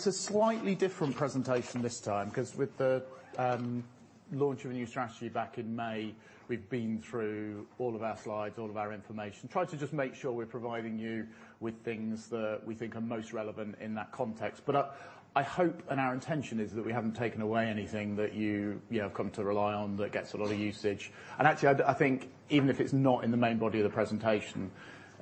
It's a slightly different presentation this time because with the launch of a new strategy back in May, we've been through all of our slides, all of our information, tried to just make sure we're providing you with things that we think are most relevant in that context. I hope, and our intention is, that we haven't taken away anything that you have come to rely on that gets a lot of usage. Actually, I think even if it's not in the main body of the presentation,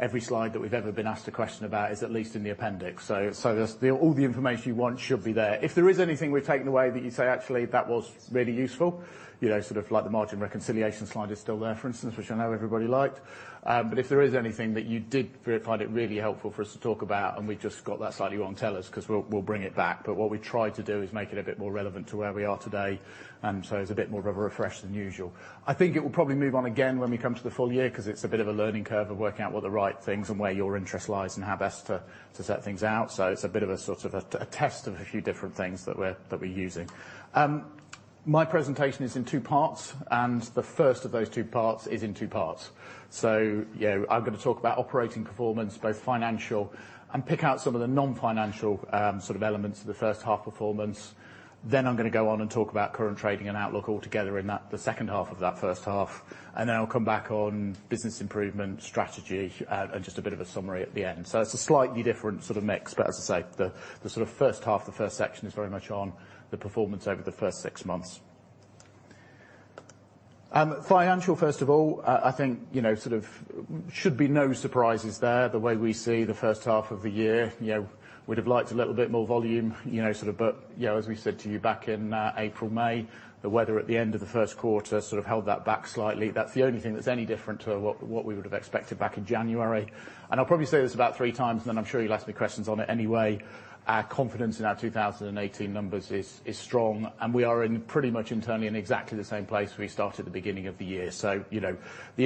every slide that we've ever been asked a question about is at least in the appendix. All the information you want should be there. If there is anything we've taken away that you say, "Actually, that was really useful," sort of like the margin reconciliation slide is still there, for instance, which I know everybody liked. If there is anything that you did find it really helpful for us to talk about and we've just got that slightly wrong, tell us because we'll bring it back. What we tried to do is make it a bit more relevant to where we are today. It's a bit more of a refresh than usual. I think it will probably move on again when we come to the full year because it's a bit of a learning curve of working out what the right things and where your interest lies and how best to set things out. It's a bit of a sort of a test of a few different things that we're using. My presentation is in two parts. The first of those two parts is in two parts. I'm going to talk about operating performance, both financial, and pick out some of the non-financial sort of elements of the first half performance. I'm going to go on and talk about current trading and outlook altogether in the second half of that first half. I'll come back on business improvement, strategy, and just a bit of a summary at the end. It's a slightly different sort of mix, but as I say, the sort of first half, the first section is very much on the performance over the first six months. Financial, first of all, I think should be no surprises there. The way we see the first half of the year, we would have liked a little bit more volume. As we said to you back in April, May, the weather at the end of the first quarter sort of held that back slightly. That's the only thing that's any different to what we would have expected back in January. I'll probably say this about three times, and then I'm sure you'll ask me questions on it anyway. Our confidence in our 2018 numbers is strong. We are in pretty much internally in exactly the same place we started at the beginning of the year. The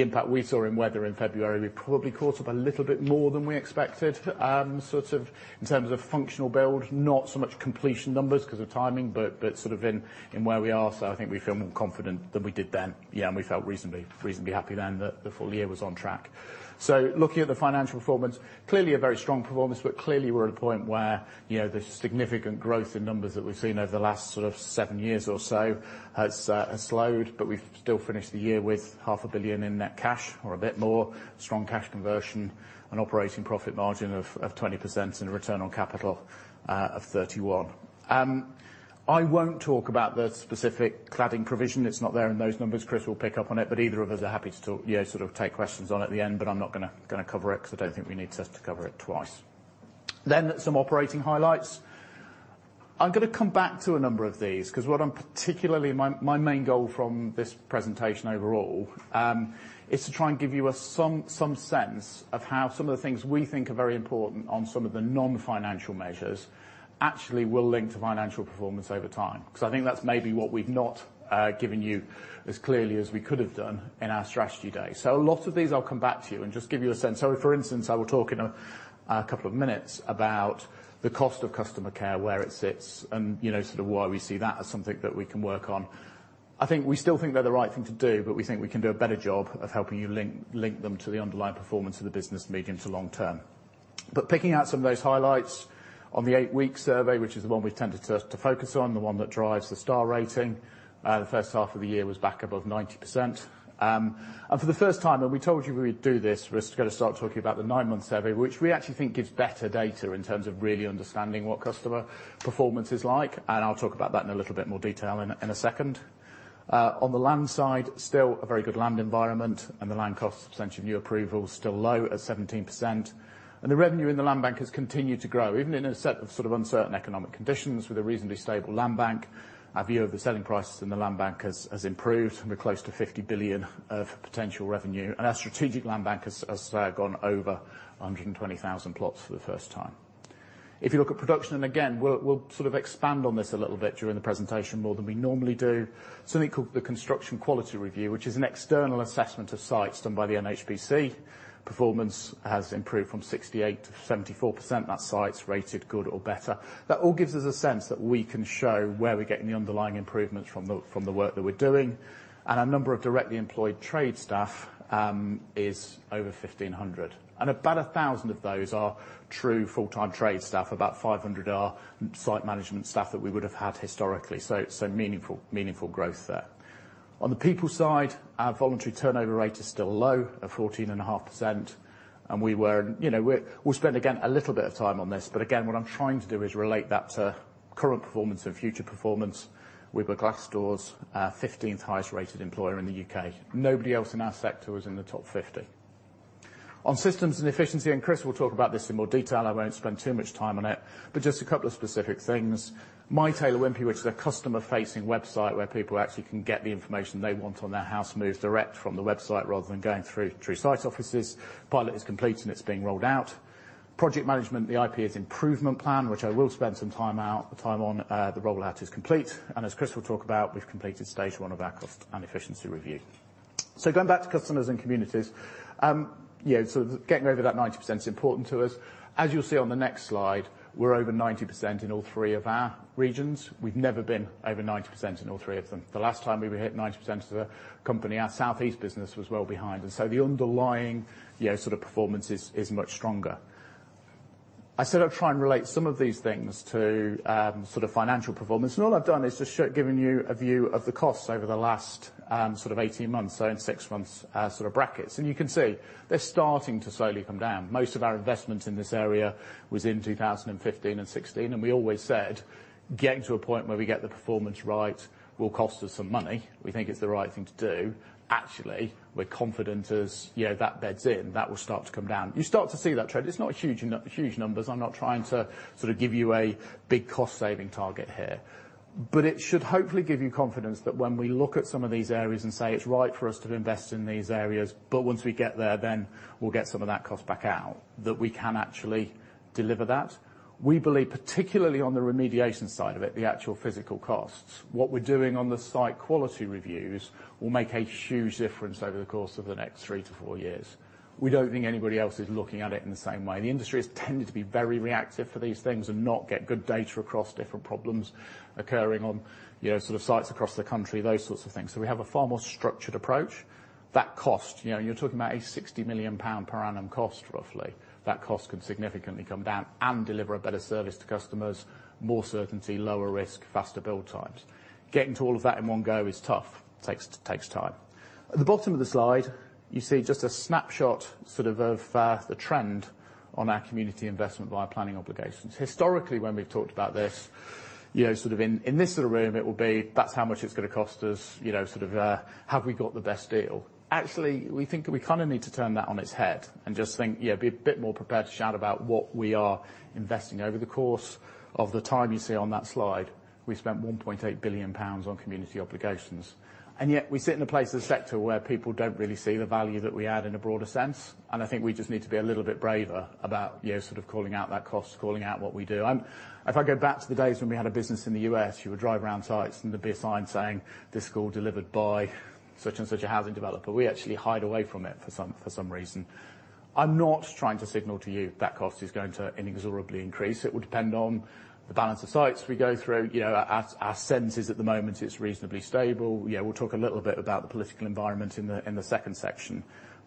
impact we saw in weather in February, we probably caught up a little bit more than we expected in terms of functional build, not so much completion numbers because of timing, but sort of in where we are. I think we feel more confident than we did then. We felt reasonably happy then that the full year was on track. Looking at the financial performance, clearly a very strong performance, but clearly we're at a point where the significant growth in numbers that we've seen over the last seven years or so has slowed, but we've still finished the year with GBP half a billion in net cash or a bit more. Strong cash conversion and operating profit margin of 20% and a return on capital of 31%. I won't talk about the specific cladding provision. It's not there in those numbers. Chris will pick up on it, but either of us are happy to take questions on at the end, but I'm not going to cover it because I don't think we need to cover it twice. Some operating highlights. I'm going to come back to a number of these because what I'm particularly, my main goal from this presentation overall, is to try and give you some sense of how some of the things we think are very important on some of the non-financial measures actually will link to financial performance over time. I think that's maybe what we've not given you as clearly as we could have done in our strategy day. A lot of these I'll come back to and just give you a sense. For instance, I will talk in a couple of minutes about the cost of customer care, where it sits, and why we see that as something that we can work on. I think we still think they're the right thing to do, but we think we can do a better job of helping you link them to the underlying performance of the business medium to long term. Picking out some of those highlights on the eight-week survey, which is the one we've tended to focus on, the one that drives the star rating. The first half of the year was back above 90%. For the first time, and we told you we would do this, we're going to start talking about the nine-month survey, which we actually think gives better data in terms of really understanding what customer performance is like. I'll talk about that in a little bit more detail in a second. On the land side, still a very good land environment and the land cost percentage of new approval still low at 17%. The revenue in the land bank has continued to grow, even in a set of uncertain economic conditions with a reasonably stable land bank. Our view of the selling prices in the land bank has improved. We're close to 50 billion of potential revenue. Our strategic land bank has gone over 120,000 plots for the first time. If you look at production, and again, we'll expand on this a little bit during the presentation more than we normally do. Something called the Construction Quality Review, which is an external assessment of sites done by the NHBC. Performance has improved from 68%-74% at sites rated good or better. That all gives us a sense that we can show where we're getting the underlying improvements from the work that we're doing. Our number of directly employed trade staff is over 1,500. About 1,000 of those are true full-time trade staff. About 500 are site management staff that we would have had historically. Meaningful growth there. On the people side, our voluntary turnover rate is still low at 14.5%. We'll spend again a little bit of time on this. Again, what I'm trying to do is relate that to current performance and future performance. We were Glassdoor's 15th highest rated employer in the U.K. Nobody else in our sector was in the top 50. On systems and efficiency, Chris will talk about this in more detail. I won't spend too much time on it, just a couple of specific things. My Taylor Wimpey, which is a customer facing website where people actually can get the information they want on their house move direct from the website rather than going through site offices. Pilot is complete and it's being rolled out. Project management, the PIP is improvement plan, which I will spend some time on. The rollout is complete. As Chris will talk about, we've completed stage 1 of our cost and efficiency review. Going back to customers and communities, sort of getting over that 90% is important to us. As you'll see on the next slide, we're over 90% in all 3 of our regions. We've never been over 90% in all 3 of them. The last time we hit 90% as a company, our Southeast business was well behind. The underlying sort of performance is much stronger. I said I'd try and relate some of these things to financial performance. All I've done is just given you a view of the costs over the last 18 months, in 6 months brackets. You can see they're starting to slowly come down. Most of our investments in this area was in 2015 and 2016, we always said getting to a point where we get the performance right will cost us some money. We think it's the right thing to do. Actually, we're confident as that beds in, that will start to come down. You start to see that trend. It's not huge numbers. I'm not trying to give you a big cost saving target here. It should hopefully give you confidence that when we look at some of these areas and say it's right for us to invest in these areas, once we get there, we'll get some of that cost back out, that we can actually deliver that. We believe, particularly on the remediation side of it, the actual physical costs. What we're doing on the site quality reviews will make a huge difference over the course of the next 3-4 years. We don't think anybody else is looking at it in the same way. The industry has tended to be very reactive for these things and not get good data across different problems occurring on sites across the country, those sorts of things. We have a far more structured approach. That cost, you're talking about a 60 million pound per annum cost, roughly. That cost can significantly come down and deliver a better service to customers, more certainty, lower risk, faster build times. Getting to all of that in one go is tough. It takes time. At the bottom of the slide, you see just a snapshot of the trend on our community investment via planning obligations. Historically, when we've talked about this, in this sort of room, it will be, "That's how much it's going to cost us," sort of, "Have we got the best deal?" Actually, we think we kind of need to turn that on its head and just think, yeah, be a bit more prepared to shout about what we are investing. Over the course of the time you see on that slide, we spent 1.8 billion pounds on community obligations. Yet, we sit in a place in the sector where people don't really see the value that we add in a broader sense. I think we just need to be a little bit braver about calling out that cost, calling out what we do. If I go back to the days when we had a business in the U.S., you would drive around sites, and there'd be a sign saying, "This school delivered by such and such a housing developer." We actually hide away from it for some reason. I'm not trying to signal to you that cost is going to inexorably increase. It will depend on the balance of sites we go through. Our sense is, at the moment, it's reasonably stable. Yeah, we'll talk a little bit about the political environment in the second section.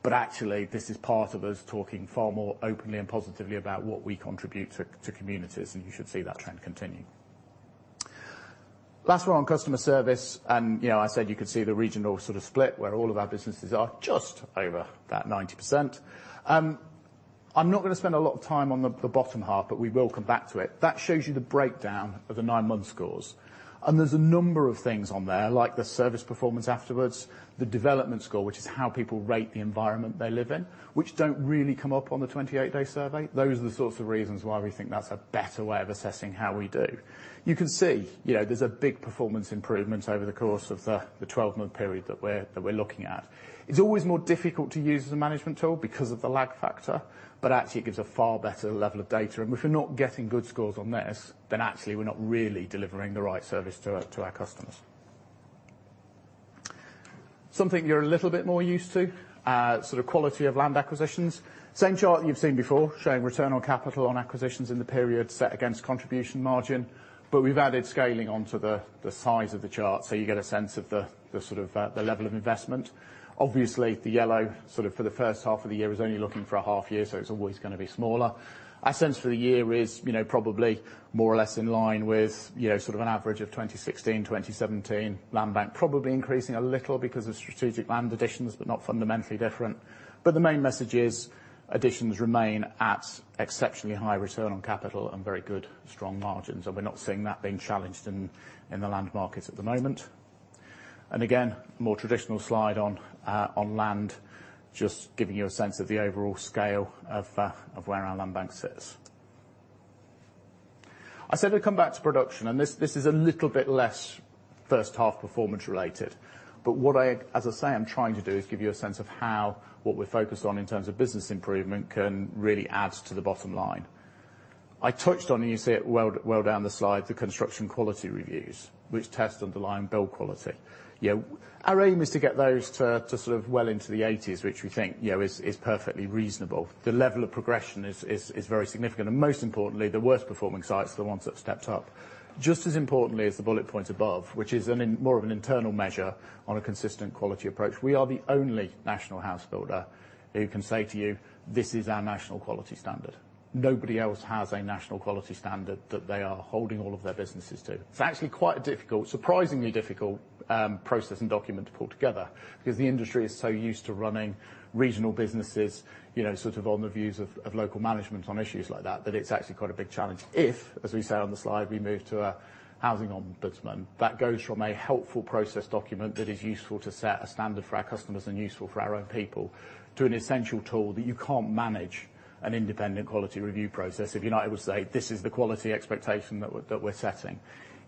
Actually, this is part of us talking far more openly and positively about what we contribute to communities, and you should see that trend continue. Last we're on customer service, and I said you could see the regional sort of split where all of our businesses are just over that 90%. I'm not going to spend a lot of time on the bottom half, but we will come back to it. That shows you the breakdown of the nine-month scores. There's a number of things on there, like the service performance afterwards, the development score, which is how people rate the environment they live in, which don't really come up on the 28-day survey. Those are the sorts of reasons why we think that's a better way of assessing how we do. You can see there's a big performance improvement over the course of the 12-month period that we're looking at. It's always more difficult to use as a management tool because of the lag factor, but actually, it gives a far better level of data. If we're not getting good scores on this, then actually we're not really delivering the right service to our customers. Something you're a little bit more used to, quality of land acquisitions. Same chart you've seen before showing return on capital on acquisitions in the period set against contribution margin, but we've added scaling onto the size of the chart so you get a sense of the level of investment. Obviously, the yellow, for the first half of the year, was only looking for a half year, so it's always going to be smaller. Our sense for the year is probably more or less in line with an average of 2016, 2017. Land bank probably increasing a little because of strategic land additions, but not fundamentally different. The main message is additions remain at exceptionally high return on capital and very good, strong margins. We're not seeing that being challenged in the land markets at the moment. Again, more traditional slide on land, just giving you a sense of the overall scale of where our land bank sits. I said we'd come back to production, this is a little bit less first half performance related. What I, as I say, I'm trying to do is give you a sense of how what we're focused on in terms of business improvement can really add to the bottom line. I touched on, and you see it well down the slide, the Construction Quality Reviews, which test underlying build quality. Our aim is to get those to well into the 80s, which we think is perfectly reasonable. The level of progression is very significant. Most importantly, the worst performing sites are the ones that stepped up. Just as importantly as the bullet point above, which is more of an internal measure on a consistent quality approach. We are the only national house builder who can say to you, "This is our national quality standard." Nobody else has a national quality standard that they are holding all of their businesses to. It's actually quite a difficult, surprisingly difficult process and document to pull together because the industry is so used to running regional businesses on the views of local management on issues like that it's actually quite a big challenge. If, as we say on the slide, we move to a Housing Ombudsman, that goes from a helpful process document that is useful to set a standard for our customers and useful for our own people, to an essential tool that you can't manage an independent quality review process if you're not able to say, "This is the quality expectation that we're setting."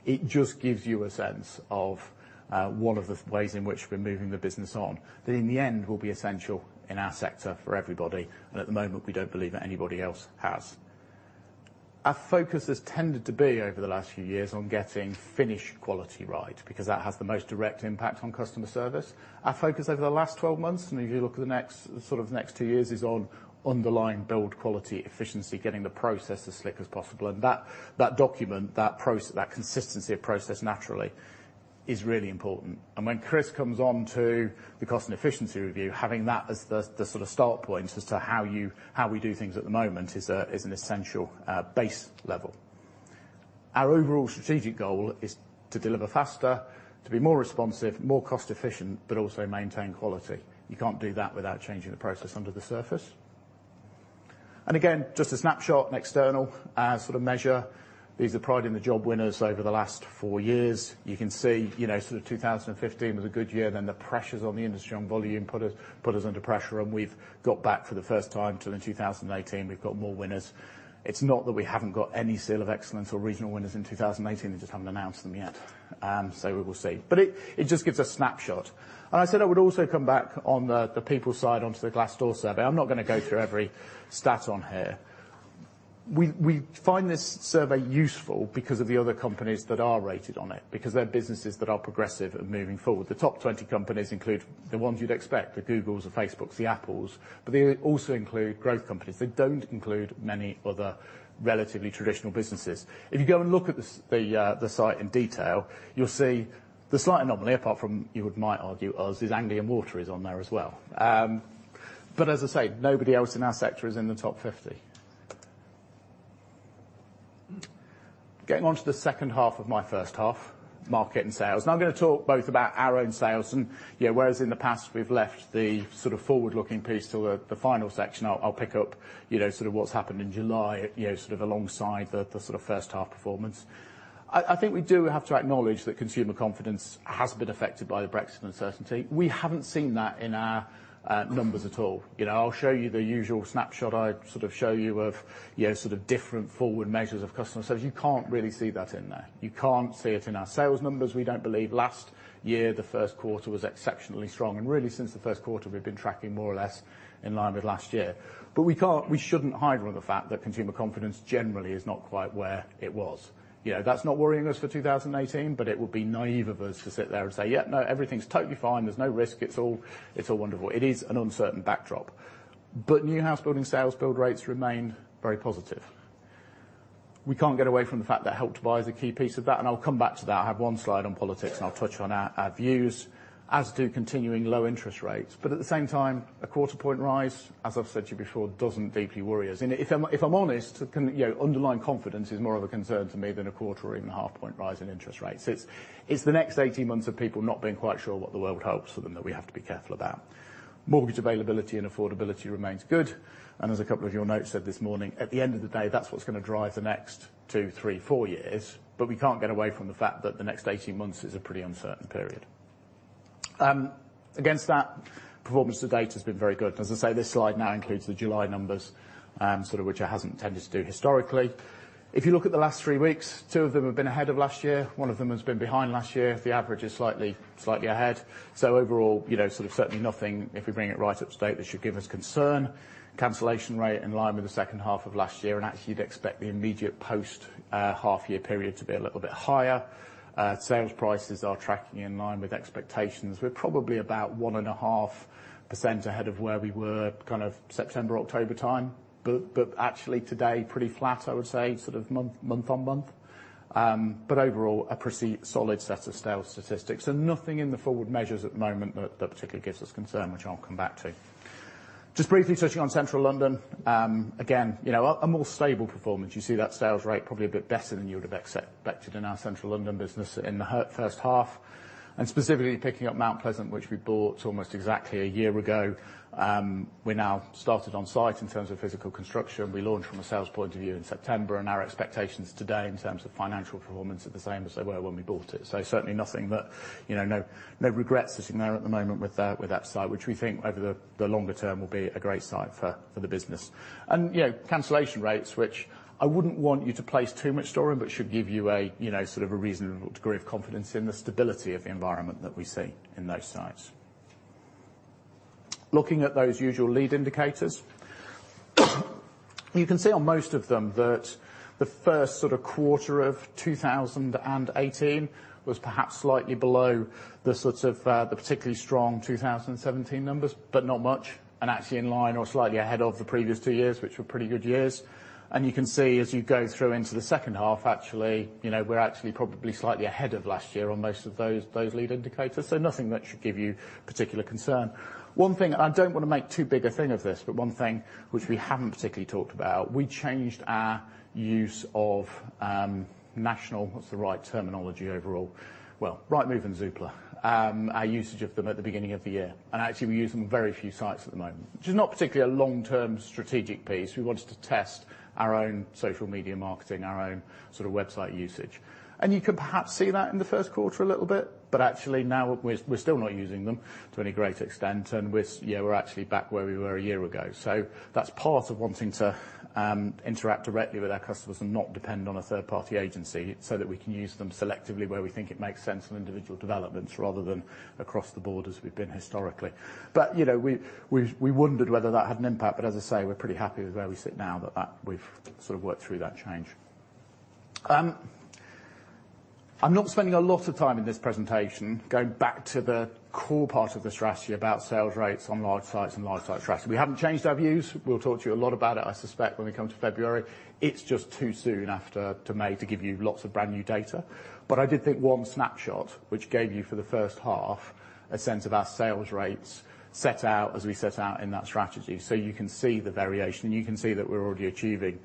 It just gives you a sense of one of the ways in which we're moving the business on. That in the end will be essential in our sector for everybody, and at the moment, we don't believe that anybody else has. Our focus has tended to be over the last few years on getting finish quality right because that has the most direct impact on customer service. Our focus over the last 12 months, and if you look at the next two years, is on underlying build quality efficiency, getting the process as slick as possible. That document, that consistency of process naturally is really important. When Chris comes on to the cost and efficiency review, having that as the start point as to how we do things at the moment is an essential base level. Our overall strategic goal is to deliver faster, to be more responsive, more cost efficient, but also maintain quality. You can't do that without changing the process under the surface. Again, just a snapshot and external measure. These are Pride in the Job winners over the last four years. You can see 2015 was a good year, then the pressures on the industry on volume put us under pressure, and we've got back for the first time till in 2018. We've got more winners. It's not that we haven't got any Seal of Excellence or regional winners in 2018, they just haven't announced them yet. We will see. It just gives a snapshot. I said I would also come back on the people side, onto the Glassdoor survey. I'm not going to go through every stat on here. We find this survey useful because of the other companies that are rated on it, because they're businesses that are progressive and moving forward. The top 20 companies include the ones you'd expect, the Googles, the Facebooks, the Apples, but they also include growth companies. They don't include many other relatively traditional businesses. If you go and look at the site in detail, you'll see the slight anomaly, apart from you might argue, us, is Anglian Water is on there as well. As I say, nobody else in our sector is in the top 50. Getting onto the second half of my first half, market and sales. I'm going to talk both about our own sales and whereas in the past we've left the forward-looking piece till the final section, I'll pick up what's happened in July, alongside the first half performance. I think we do have to acknowledge that consumer confidence has been affected by the Brexit uncertainty. We haven't seen that in our numbers at all. I'll show you the usual snapshot I show you of different forward measures of customer surveys. You can't really see that in there. You can't see it in our sales numbers. We don't believe last year the first quarter was exceptionally strong. Really since the first quarter, we've been tracking more or less in line with last year. We shouldn't hide from the fact that consumer confidence generally is not quite where it was. That's not worrying us for 2018, but it would be naive of us to sit there and say, "Yeah, no, everything's totally fine. There's no risk. It's all wonderful." It is an uncertain backdrop. New house building sales build rates remain very positive. We can't get away from the fact that Help to Buy is a key piece of that, and I'll come back to that. I have one slide on politics, and I'll touch on our views, as do continuing low interest rates. At the same time, a quarter point rise, as I've said to you before, doesn't deeply worry us. If I'm honest, underlying confidence is more of a concern to me than a quarter or even a half point rise in interest rates. It's the next 18 months of people not being quite sure what the world holds for them that we have to be careful about. Mortgage availability and affordability remains good, and as a couple of your notes said this morning, at the end of the day, that's what's going to drive the next two, three, four years, but we can't get away from the fact that the next 18 months is a pretty uncertain period. Against that, performance to date has been very good. As I say, this slide now includes the July numbers, which it hasn't tended to do historically. If you look at the last three weeks, two of them have been ahead of last year. One of them has been behind last year. The average is slightly ahead. Overall, certainly nothing, if we bring it right up to date, that should give us concern. Cancellation rate in line with the second half of last year, actually you'd expect the immediate post half year period to be a little bit higher. Sales prices are tracking in line with expectations. We're probably about 1.5% ahead of where we were kind of September, October time. Actually today, pretty flat I would say sort of month-on-month. Overall, a pretty solid set of sales statistics. Nothing in the forward measures at the moment that particularly gives us concern, which I'll come back to. Just briefly touching on Central London. Again, a more stable performance. You see that sales rate probably a bit better than you would have expected in our Central London business in the first half. Specifically picking up Mount Pleasant, which we bought almost exactly a year ago. We're now started on site in terms of physical construction. We launch from a sales point of view in September. Our expectations today in terms of financial performance are the same as they were when we bought it. Certainly nothing that, no regrets sitting there at the moment with that site, which we think over the longer term will be a great site for the business. Cancellation rates, which I wouldn't want you to place too much store in but should give you a reasonable degree of confidence in the stability of the environment that we see in those sites. Looking at those usual lead indicators. You can see on most of them that the first quarter of 2018 was perhaps slightly below the particularly strong 2017 numbers, not much, actually in line or slightly ahead of the previous two years, which were pretty good years. You can see as you go through into the second half, actually, we're actually probably slightly ahead of last year on most of those lead indicators. Nothing that should give you particular concern. One thing, I don't want to make too big a thing of this, one thing which we haven't particularly talked about, we changed our use of national, what's the right terminology overall? Rightmove and Zoopla. Our usage of them at the beginning of the year. Actually we use them very few sites at the moment. Which is not particularly a long-term strategic piece. We wanted to test our own social media marketing, our own sort of website usage. You could perhaps see that in the first quarter a little bit, actually now we're still not using them to any great extent, and we're actually back where we were a year ago. That's part of wanting to interact directly with our customers and not depend on a third-party agency so that we can use them selectively where we think it makes sense on individual developments rather than across the board as we've been historically. We wondered whether that had an impact, but as I say, we're pretty happy with where we sit now that we've sort of worked through that change. I'm not spending a lot of time in this presentation going back to the core part of the strategy about sales rates on large sites and large site strategy. We haven't changed our views. We'll talk to you a lot about it, I suspect, when we come to February. It's just too soon after to May to give you lots of brand new data. I did think one snapshot, which gave you, for the first half, a sense of our sales rates set out as we set out in that strategy. You can see the variation, and you can see that we're already achieving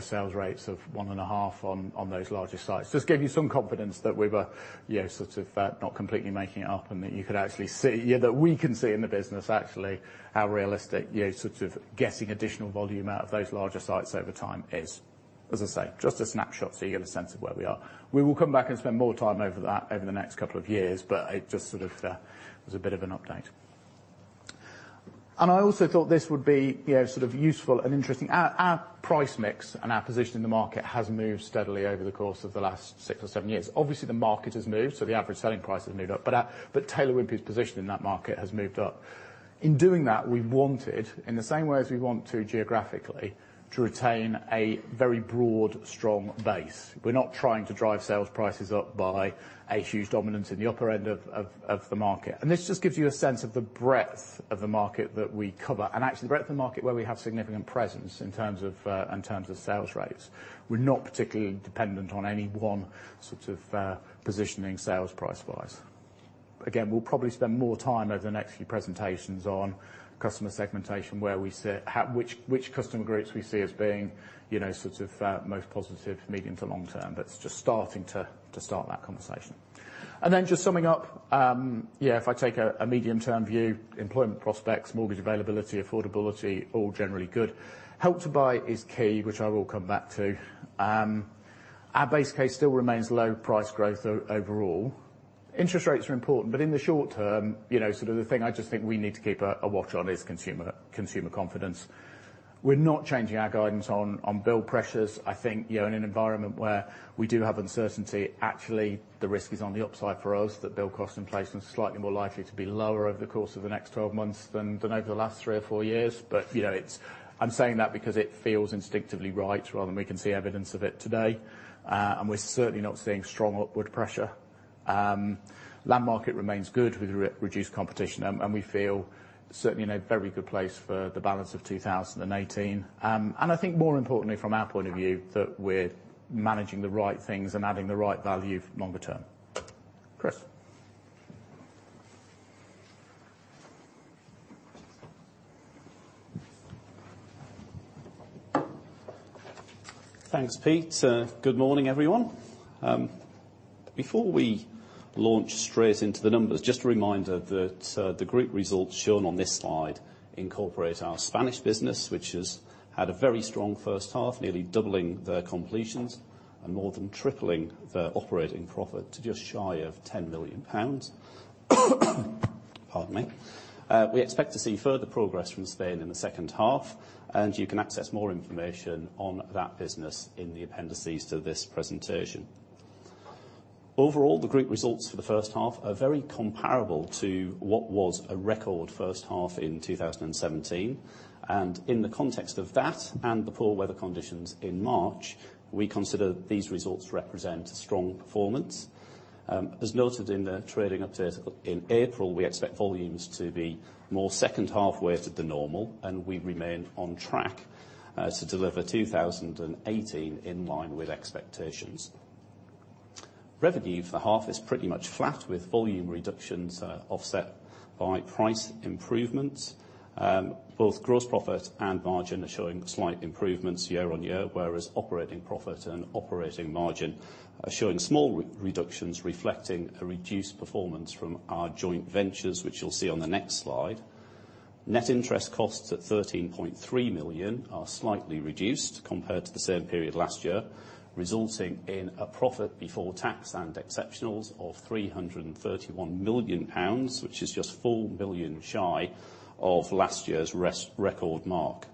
sales rates of one and a half on those larger sites. Just give you some confidence that we were sort of not completely making it up and that you could actually see, that we can see in the business actually how realistic sort of getting additional volume out of those larger sites over time is. As I say, just a snapshot so you get a sense of where we are. We will come back and spend more time over that over the next couple of years, but it just sort of was a bit of an update. I also thought this would be sort of useful and interesting. Our price mix and our position in the market has moved steadily over the course of the last six or seven years. Obviously, the market has moved, so the average selling price has moved up, but Taylor Wimpey's position in that market has moved up. In doing that, we wanted, in the same way as we want to geographically, to retain a very broad, strong base. We're not trying to drive sales prices up by a huge dominance in the upper end of the market. This just gives you a sense of the breadth of the market that we cover, and actually the breadth of the market where we have significant presence in terms of sales rates. We're not particularly dependent on any one sort of positioning sales price-wise. Again, we'll probably spend more time over the next few presentations on customer segmentation, which customer groups we see as being sort of most positive medium to long term. It's just starting to start that conversation. Just summing up, if I take a medium term view, employment prospects, mortgage availability, affordability, all generally good. Help to Buy is key, which I will come back to. Our base case still remains low price growth overall. Interest rates are important, but in the short term, sort of the thing I just think we need to keep a watch on is consumer confidence. We're not changing our guidance on build pressures. I think in an environment where we do have uncertainty, actually the risk is on the upside for us that build cost inflations are slightly more likely to be lower over the course of the next 12 months than over the last three or four years. I'm saying that because it feels instinctively right rather than we can see evidence of it today. We're certainly not seeing strong upward pressure. Land market remains good with reduced competition, and we feel certainly in a very good place for the balance of 2018. I think more importantly from our point of view, that we're managing the right things and adding the right value longer term. Chris? Thanks, Pete. Good morning, everyone. Before we launch straight into the numbers, just a reminder that the group results shown on this slide incorporate our Spanish business, which has had a very strong first half, nearly doubling their completions and more than tripling their operating profit to just shy of 10 million pounds. Pardon me. We expect to see further progress from Spain in the second half, and you can access more information on that business in the appendices to this presentation. Overall, the group results for the first half are very comparable to what was a record first half in 2017. In the context of that and the poor weather conditions in March, we consider these results represent a strong performance. As noted in the trading update in April, we expect volumes to be more second half weighted than normal, and we remain on track to deliver 2018 in line with expectations. Revenue for half is pretty much flat with volume reductions offset by price improvements. Both gross profit and margin are showing slight improvements year on year, whereas operating profit and operating margin are showing small reductions reflecting a reduced performance from our joint ventures, which you'll see on the next slide. Net interest costs at 13.3 million are slightly reduced compared to the same period last year, resulting in a profit before tax and exceptionals of 331 million pounds, which is just 4 million shy of last year's record mark.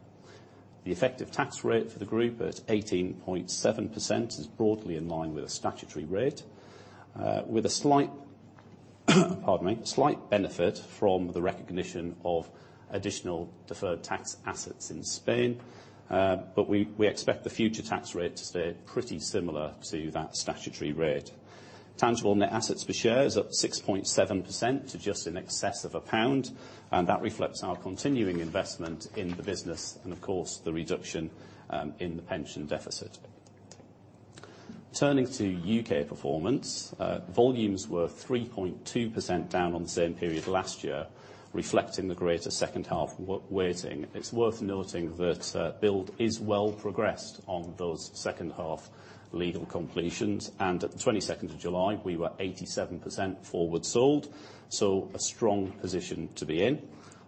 The effective tax rate for the group at 18.7% is broadly in line with the statutory rate, with a slight, pardon me, slight benefit from the recognition of additional deferred tax assets in Spain. We expect the future tax rate to stay pretty similar to that statutory rate. Tangible net assets per share is up 6.7% to just in excess of GBP 1, and that reflects our continuing investment in the business and of course, the reduction in the pension deficit. Turning to U.K. performance, volumes were 3.2% down on the same period last year, reflecting the greater second half weighting. It's worth noting that build is well progressed on those second half legal completions, and at the 22nd of July, we were 87% forward sold, so a strong position to be in.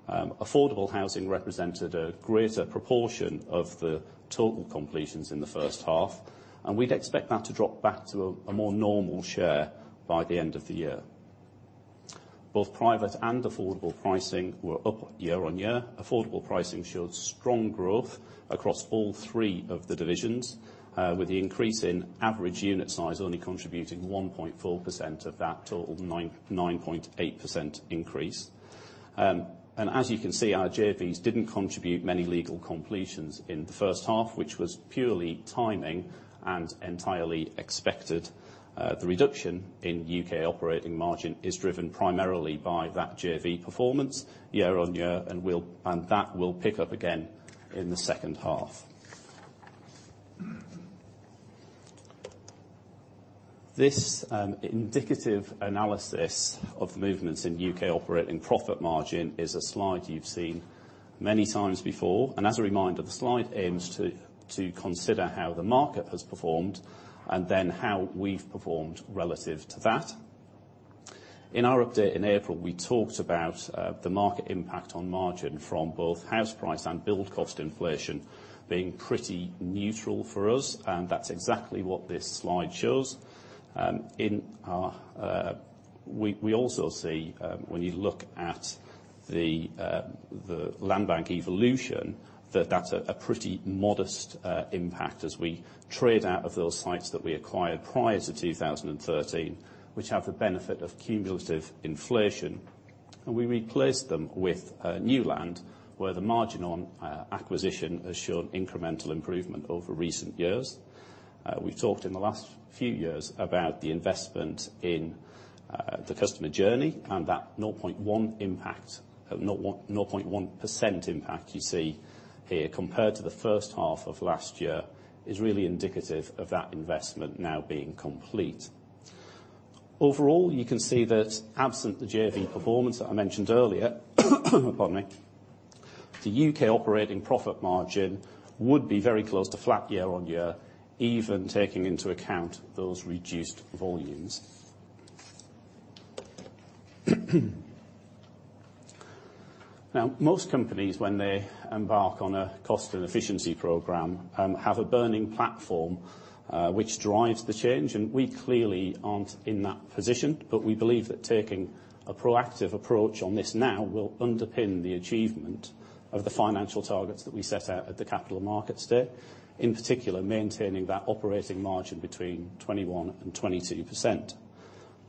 Affordable housing represented a greater proportion of the total completions in the first half, and we'd expect that to drop back to a more normal share by the end of the year. Both private and affordable pricing were up year on year. Affordable pricing showed strong growth across all three of the divisions, with the increase in average unit size only contributing 1.4% of that total 9.8% increase. As you can see, our JVs didn't contribute many legal completions in the first half, which was purely timing and entirely expected. The reduction in U.K. operating margin is driven primarily by that JV performance year on year, and that will pick up again in the second half. This indicative analysis of the movements in U.K. operating profit margin is a slide you've seen many times before. As a reminder, the slide aims to consider how the market has performed and then how we've performed relative to that. In our update in April, we talked about the market impact on margin from both house price and build cost inflation being pretty neutral for us, and that's exactly what this slide shows. We also see, when you look at the landbank evolution, that that's a pretty modest impact as we trade out of those sites that we acquired prior to 2013, which have the benefit of cumulative inflation. We replaced them with new land, where the margin on acquisition has shown incremental improvement over recent years. We've talked in the last few years about the investment in the customer journey, and that 0.1% impact you see here compared to the first half of last year is really indicative of that investment now being complete. Overall, you can see that absent the JV performance that I mentioned earlier, the U.K. operating profit margin would be very close to flat year-over-year, even taking into account those reduced volumes. Most companies, when they embark on a cost and efficiency program, have a burning platform which drives the change, and we clearly aren't in that position. We believe that taking a proactive approach on this now will underpin the achievement of the financial targets that we set out at the Capital Markets Day. In particular, maintaining that operating margin between 21%-22%.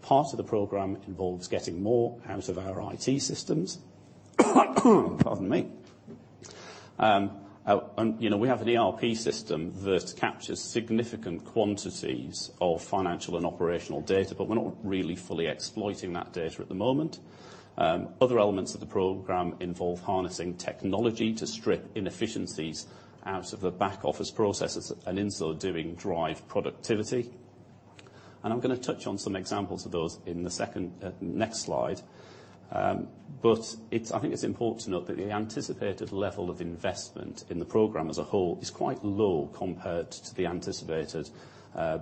Part of the program involves getting more out of our IT systems. Pardon me. We have an ERP system that captures significant quantities of financial and operational data, but we're not really fully exploiting that data at the moment. Other elements of the program involve harnessing technology to strip inefficiencies out of the back office processes, and in so doing, drive productivity. I'm going to touch on some examples of those in the next slide. I think it's important to note that the anticipated level of investment in the program as a whole is quite low compared to the anticipated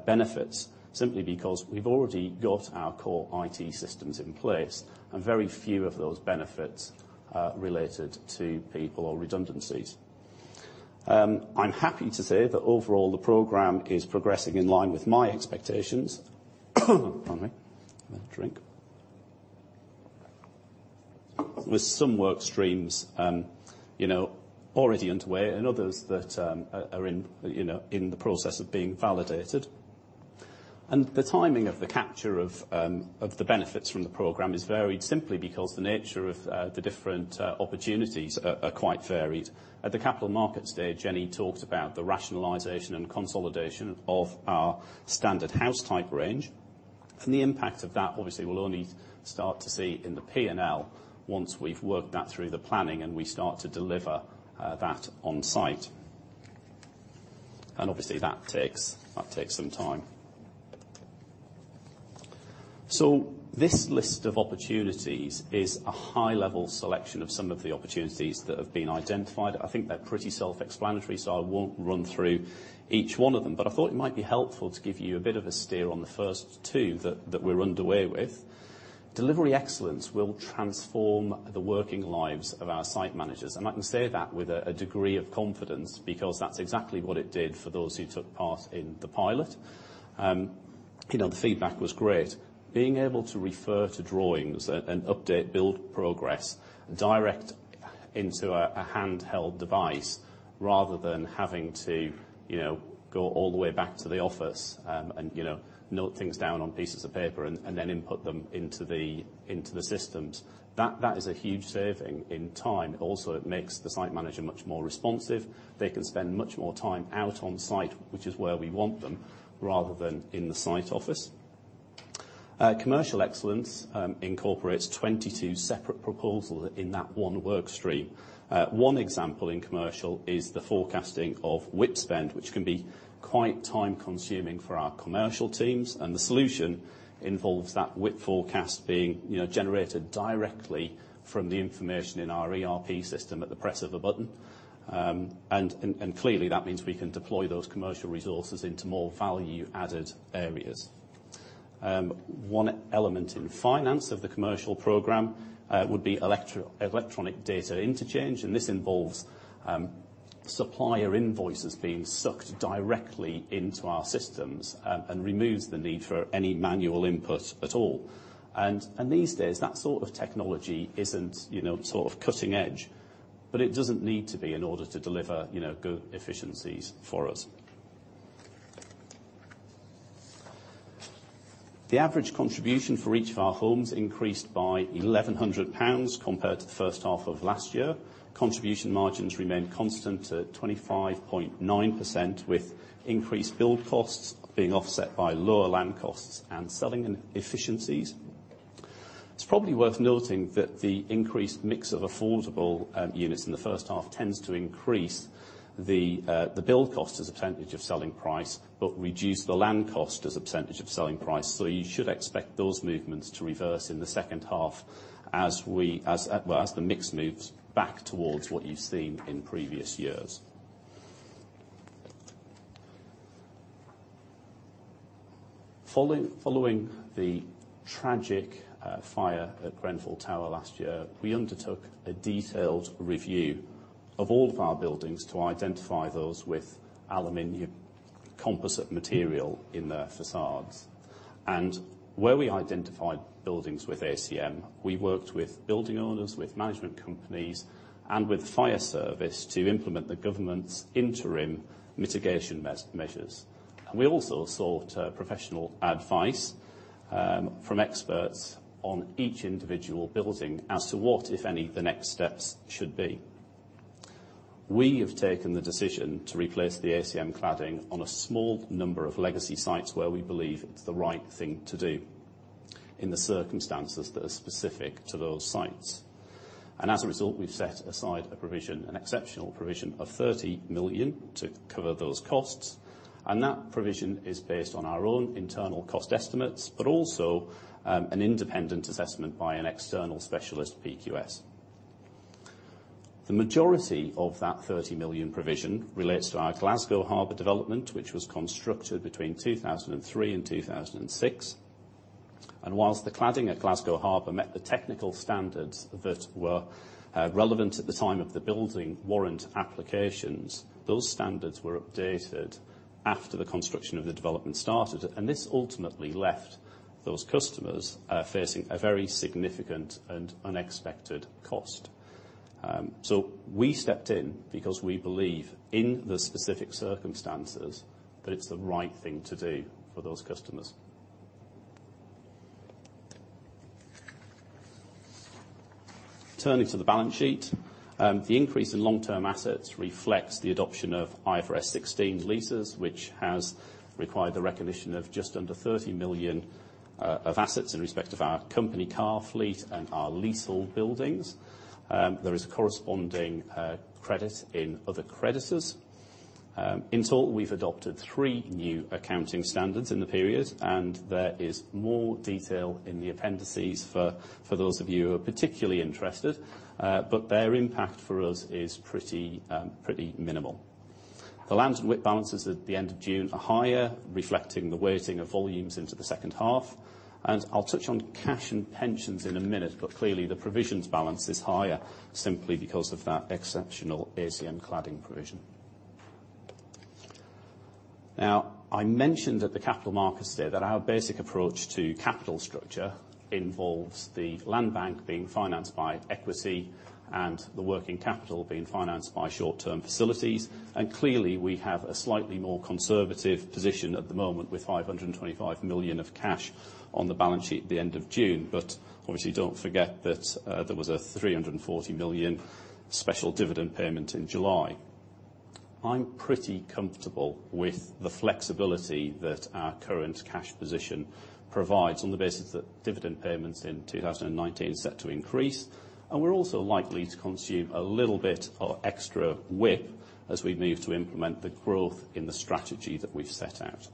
benefits, simply because we've already got our core IT systems in place, and very few of those benefits are related to people or redundancies. I'm happy to say that overall, the program is progressing in line with my expectations. Pardon me. Have a drink. With some work streams already underway and others that are in the process of being validated. The timing of the capture of the benefits from the program is varied simply because the nature of the different opportunities are quite varied. At the Capital Markets Day, Jenny talked about the rationalization and consolidation of our standard house type range. From the impact of that, obviously we'll only start to see in the P&L once we've worked that through the planning and we start to deliver that on site. Obviously that takes some time. This list of opportunities is a high level selection of some of the opportunities that have been identified. I think they're pretty self-explanatory, so I won't run through each one of them. I thought it might be helpful to give you a bit of a steer on the first two that we're underway with. Delivery excellence will transform the working lives of our site managers. I can say that with a degree of confidence because that's exactly what it did for those who took part in the pilot. The feedback was great. Being able to refer to drawings and update build progress direct into a handheld device, rather than having to go all the way back to the office, and note things down on pieces of paper and then input them into the systems. That is a huge saving in time. Also, it makes the site manager much more responsive. They can spend much more time out on site, which is where we want them, rather than in the site office. Commercial excellence incorporates 22 separate proposals in that one work stream. One example in commercial is the forecasting of WIP spend, which can be quite time consuming for our commercial teams. The solution involves that WIP forecast being generated directly from the information in our ERP system at the press of a button. Clearly, that means we can deploy those commercial resources into more value added areas. One element in finance of the commercial program would be electronic data interchange. This involves supplier invoices being sucked directly into our systems and removes the need for any manual input at all. These days, that sort of technology isn't cutting edge, but it doesn't need to be in order to deliver good efficiencies for us. The average contribution for each of our homes increased by GBP 1,100 compared to the first half of last year. Contribution margins remained constant at 25.9%, with increased build costs being offset by lower land costs and selling efficiencies. It's probably worth noting that the increased mix of affordable units in the first half tends to increase the build cost as a percentage of selling price, but reduce the land cost as a percentage of selling price. You should expect those movements to reverse in the second half as the mix moves back towards what you've seen in previous years. Following the tragic fire at Grenfell Tower last year, we undertook a detailed review of all of our buildings to identify those with aluminum composite material in their facades. Where we identified buildings with ACM, we worked with building owners, with management companies, and with fire service to implement the government's interim mitigation measures. We also sought professional advice from experts on each individual building as to what, if any, the next steps should be. We have taken the decision to replace the ACM cladding on a small number of legacy sites where we believe it's the right thing to do in the circumstances that are specific to those sites. As a result, we've set aside a provision, an exceptional provision of 30 million to cover those costs. That provision is based on our own internal cost estimates, but also an independent assessment by an external specialist PQS. The majority of that 30 million provision relates to our Glasgow Harbour development, which was constructed between 2003 and 2006. Whilst the cladding at Glasgow Harbour met the technical standards that were relevant at the time of the building warrant applications, those standards were updated after the construction of the development started, and this ultimately left those customers facing a very significant and unexpected cost. We stepped in because we believe in the specific circumstances that it's the right thing to do for those customers. Turning to the balance sheet. The increase in long-term assets reflects the adoption of IFRS 16 leases, which has required the recognition of just under 30 million of assets in respect of our company car fleet and our leasehold buildings. There is a corresponding credit in other creditors. In total, we've adopted three new accounting standards in the period, there is more detail in the appendices for those of you who are particularly interested. Their impact for us is pretty minimal. The land and WIP balances at the end of June are higher, reflecting the weighting of volumes into the second half. I'll touch on cash and pensions in a minute, but clearly the provisions balance is higher simply because of that exceptional ACM cladding provision. I mentioned at the Capital Markets Day that our basic approach to capital structure involves the land bank being financed by equity and the working capital being financed by short-term facilities. Clearly, we have a slightly more conservative position at the moment with 525 million of cash on the balance sheet at the end of June. Obviously, don't forget that there was a 340 million special dividend payment in July. I'm pretty comfortable with the flexibility that our current cash position provides on the basis that dividend payments in 2019 are set to increase. We're also likely to consume a little bit of extra WIP as we move to implement the growth in the strategy that we've set out.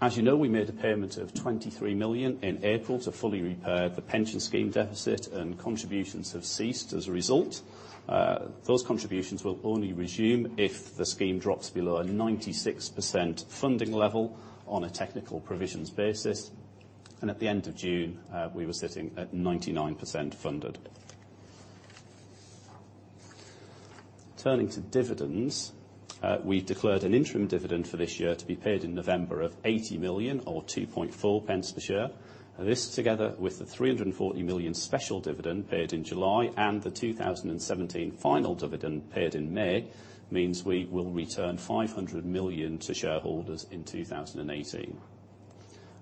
As you know, we made a payment of 23 million in April to fully repair the pension scheme deficit, and contributions have ceased as a result. Those contributions will only resume if the scheme drops below a 96% funding level on a technical provisions basis. At the end of June, we were sitting at 99% funded. Turning to dividends. We've declared an interim dividend for this year to be paid in November of 80 million or 0.024 per share. This together with the 340 million special dividend paid in July and the 2017 final dividend paid in May, means we will return 500 million to shareholders in 2018.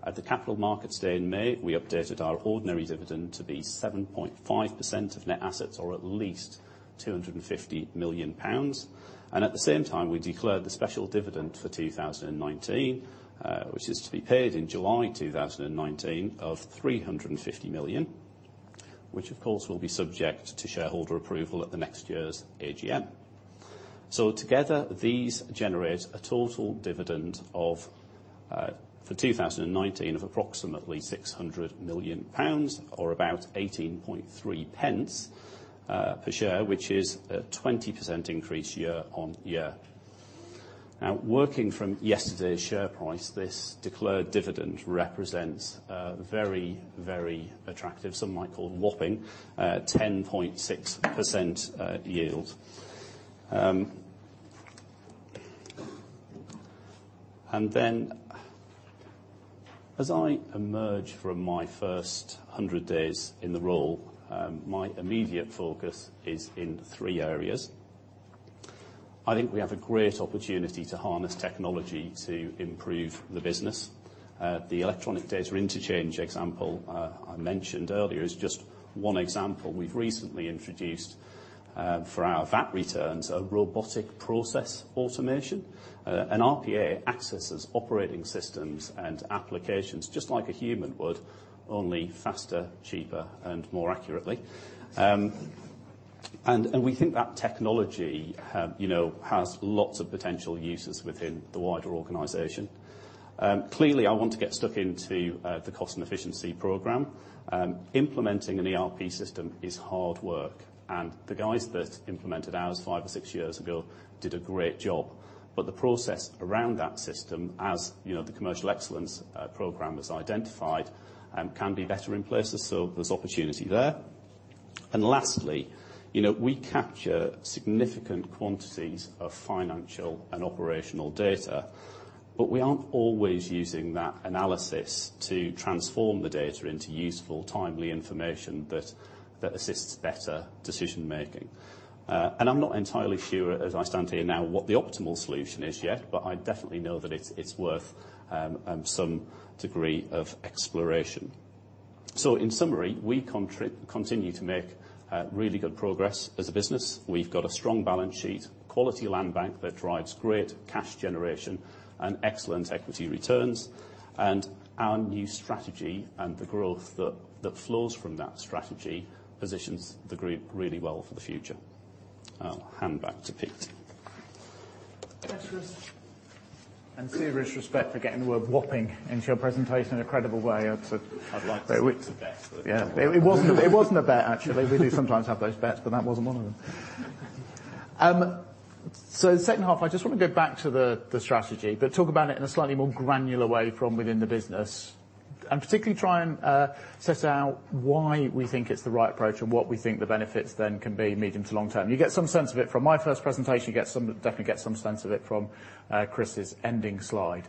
At the Capital Markets Day in May, we updated our ordinary dividend to be 7.5% of net assets or at least 250 million pounds. At the same time, we declared the special dividend for 2019, which is to be paid in July 2019 of 350 million, which of course will be subject to shareholder approval at the next year's AGM. Together, these generate a total dividend for 2019 of approximately 600 million pounds or about 0.183 per share, which is a 20% increase year-over-year. Working from yesterday's share price, this declared dividend represents a very, very attractive, some might call whopping, 10.6% yield. As I emerge from my first 100 days in the role, my immediate focus is in three areas. I think we have a great opportunity to harness technology to improve the business. The electronic data interchange example I mentioned earlier is just one example. We've recently introduced, for our VAT returns, a robotic process automation. An RPA accesses operating systems and applications just like a human would, only faster, cheaper, and more accurately. We think that technology has lots of potential uses within the wider organization. Clearly, I want to get stuck into the cost and efficiency program. Implementing an ERP system is hard work, the guys that implemented ours five or six years ago did a great job. The process around that system, as the Commercial excellence program has identified, can be better in places. There's opportunity there. Lastly, we capture significant quantities of financial and operational data, but we aren't always using that analysis to transform the data into useful, timely information that assists better decision-making. I'm not entirely sure, as I stand here now, what the optimal solution is yet, but I definitely know that it's worth some degree of exploration. In summary, we continue to make really good progress as a business. We've got a strong balance sheet, quality land bank that drives great cash generation and excellent equity returns. Our new strategy and the growth that flows from that strategy positions the group really well for the future. I'll hand back to Pete. Thanks, Chris. Serious respect for getting the word whopping into your presentation in a credible way. I'd say. I'd like to say it's a bet. Yeah. It wasn't a bet, actually. We do sometimes have those bets, but that wasn't one of them. The second half, I just want to go back to the strategy, but talk about it in a slightly more granular way from within the business, and particularly try and set out why we think it's the right approach and what we think the benefits then can be medium to long term. You get some sense of it from my first presentation. You definitely get some sense of it from Chris's ending slide.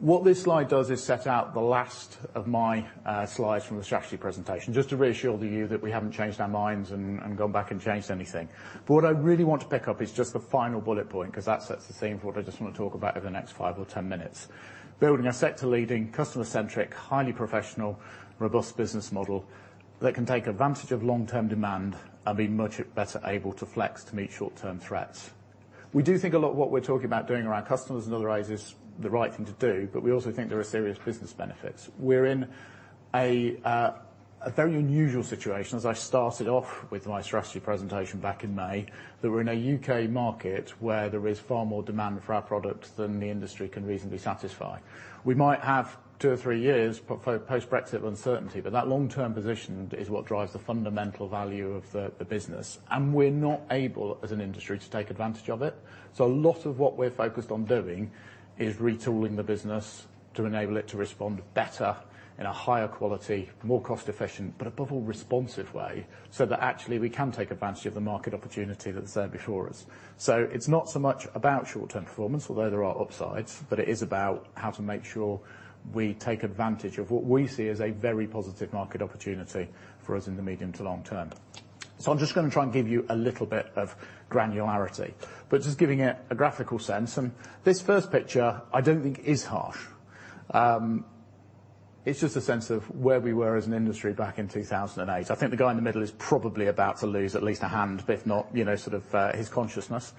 What this slide does is set out the last of my slides from the strategy presentation, just to reassure to you that we haven't changed our minds and gone back and changed anything. What I really want to pick up is just the final bullet point, because that sets the scene for what I just want to talk about over the next five or 10 minutes. Building a sector leading, customer-centric, highly professional, robust business model that can take advantage of long-term demand and be much better able to flex to meet short-term threats. We do think a lot of what we're talking about doing around customers and otherwise is the right thing to do, but we also think there are serious business benefits. We're in a very unusual situation, as I started off with my strategy presentation back in May, that we're in a U.K. market where there is far more demand for our product than the industry can reasonably satisfy. We might have two or three years post-Brexit uncertainty, but that long-term position is what drives the fundamental value of the business, and we're not able, as an industry, to take advantage of it. A lot of what we're focused on doing is retooling the business to enable it to respond better in a higher quality, more cost efficient, but above all, responsive way, so that actually we can take advantage of the market opportunity that's there before us. It's not so much about short-term performance, although there are upsides, but it is about how to make sure we take advantage of what we see as a very positive market opportunity for us in the medium to long term. I'm just going to try and give you a little bit of granularity. Just giving it a graphical sense, and this first picture, I don't think is harsh. It's just a sense of where we were as an industry back in 2008. I think the guy in the middle is probably about to lose at least a hand, if not his consciousness.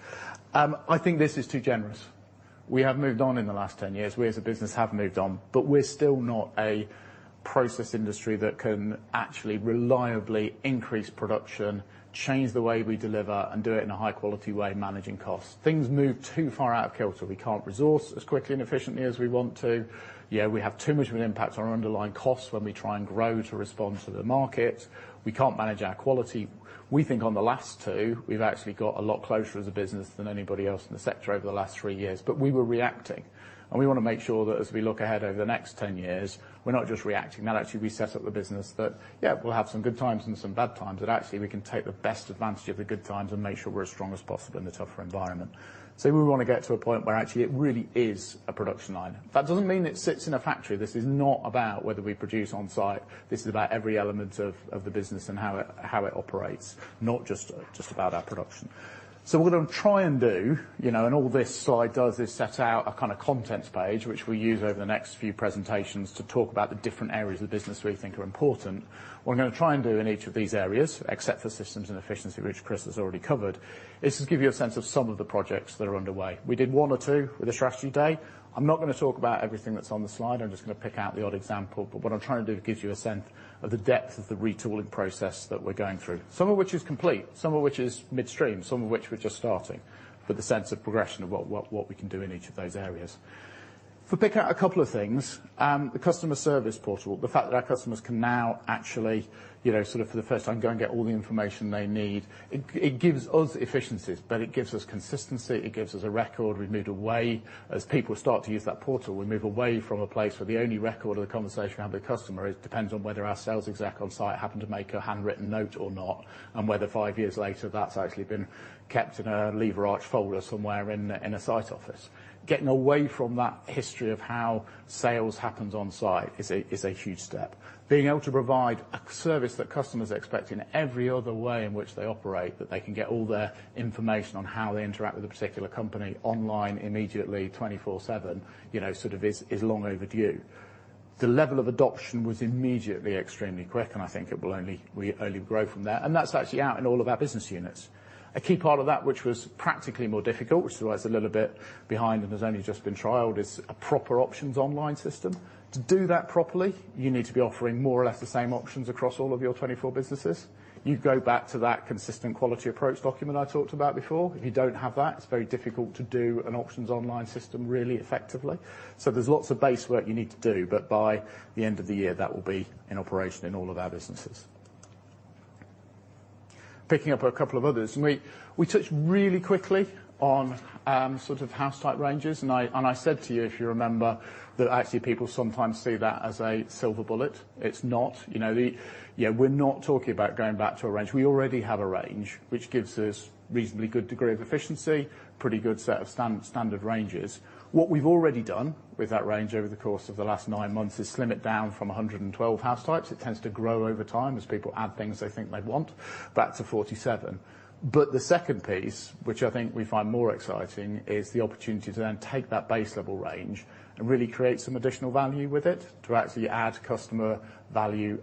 I think this is too generous. We have moved on in the last 10 years. We as a business have moved on, but we're still not a process industry that can actually reliably increase production, change the way we deliver, and do it in a high-quality way managing costs. Things move too far out of kilter. We can't resource as quickly and efficiently as we want to. Yet we have too much of an impact on our underlying costs when we try and grow to respond to the market. We can't manage our quality. We think on the last two, we've actually got a lot closer as a business than anybody else in the sector over the last three years. We were reacting, and we want to make sure that as we look ahead over the next 10 years, we're not just reacting. Actually we set up the business that, yeah, we'll have some good times and some bad times, but actually, we can take the best advantage of the good times and make sure we're as strong as possible in the tougher environment. We want to get to a point where actually it really is a production line. That doesn't mean it sits in a factory. This is not about whether we produce on-site. This is about every element of the business and how it operates, not just about our production. What I'm going to try and do, and all this slide does is set out a kind of contents page, which we use over the next few presentations to talk about the different areas of the business we think are important. What I'm going to try and do in each of these areas, except for systems and efficiency, which Chris has already covered, is just give you a sense of some of the projects that are underway. We did one or two with the strategy day. I'm not going to talk about everything that's on the slide. I'm just going to pick out the odd example. What I'm trying to do is give you a sense of the depth of the retooling process that we're going through, some of which is complete, some of which is midstream, some of which we're just starting. The sense of progression of what we can do in each of those areas. If we pick out a couple of things, the customer service portal, the fact that our customers can now actually, sort of for the first time, go and get all the information they need. It gives us efficiencies, but it gives us consistency. It gives us a record. As people start to use that portal, we move away from a place where the only record of the conversation we have with a customer depends on whether our sales exec on-site happened to make a handwritten note or not, and whether five years later, that's actually been kept in a lever arch folder somewhere in a site office. Getting away from that history of how sales happens on-site is a huge step. Being able to provide a service that customers expect in every other way in which they operate, that they can get all their information on how they interact with a particular company online immediately, 24/7, sort of is long overdue. The level of adoption was immediately extremely quick, and I think it will only grow from there, and that's actually out in all of our business units. A key part of that which was practically more difficult, which is why it's a little bit behind and has only just been trialed, is a proper options online system. To do that properly, you need to be offering more or less the same options across all of your 24 businesses. You go back to that consistent quality approach document I talked about before. If you don't have that, it's very difficult to do an options online system really effectively. There's lots of base work you need to do, but by the end of the year, that will be in operation in all of our businesses. Picking up a couple of others, we touched really quickly on sort of house type ranges, I said to you, if you remember, that actually people sometimes see that as a silver bullet. It's not. We're not talking about going back to a range. We already have a range which gives us reasonably good degree of efficiency, pretty good set of standard ranges. What we've already done with that range over the course of the last 9 months is slim it down from 112 house types. It tends to grow over time as people add things they think they'd want, back to 47. The second piece, which I think we find more exciting, is the opportunity to take that base level range and really create some additional value with it to actually add customer value,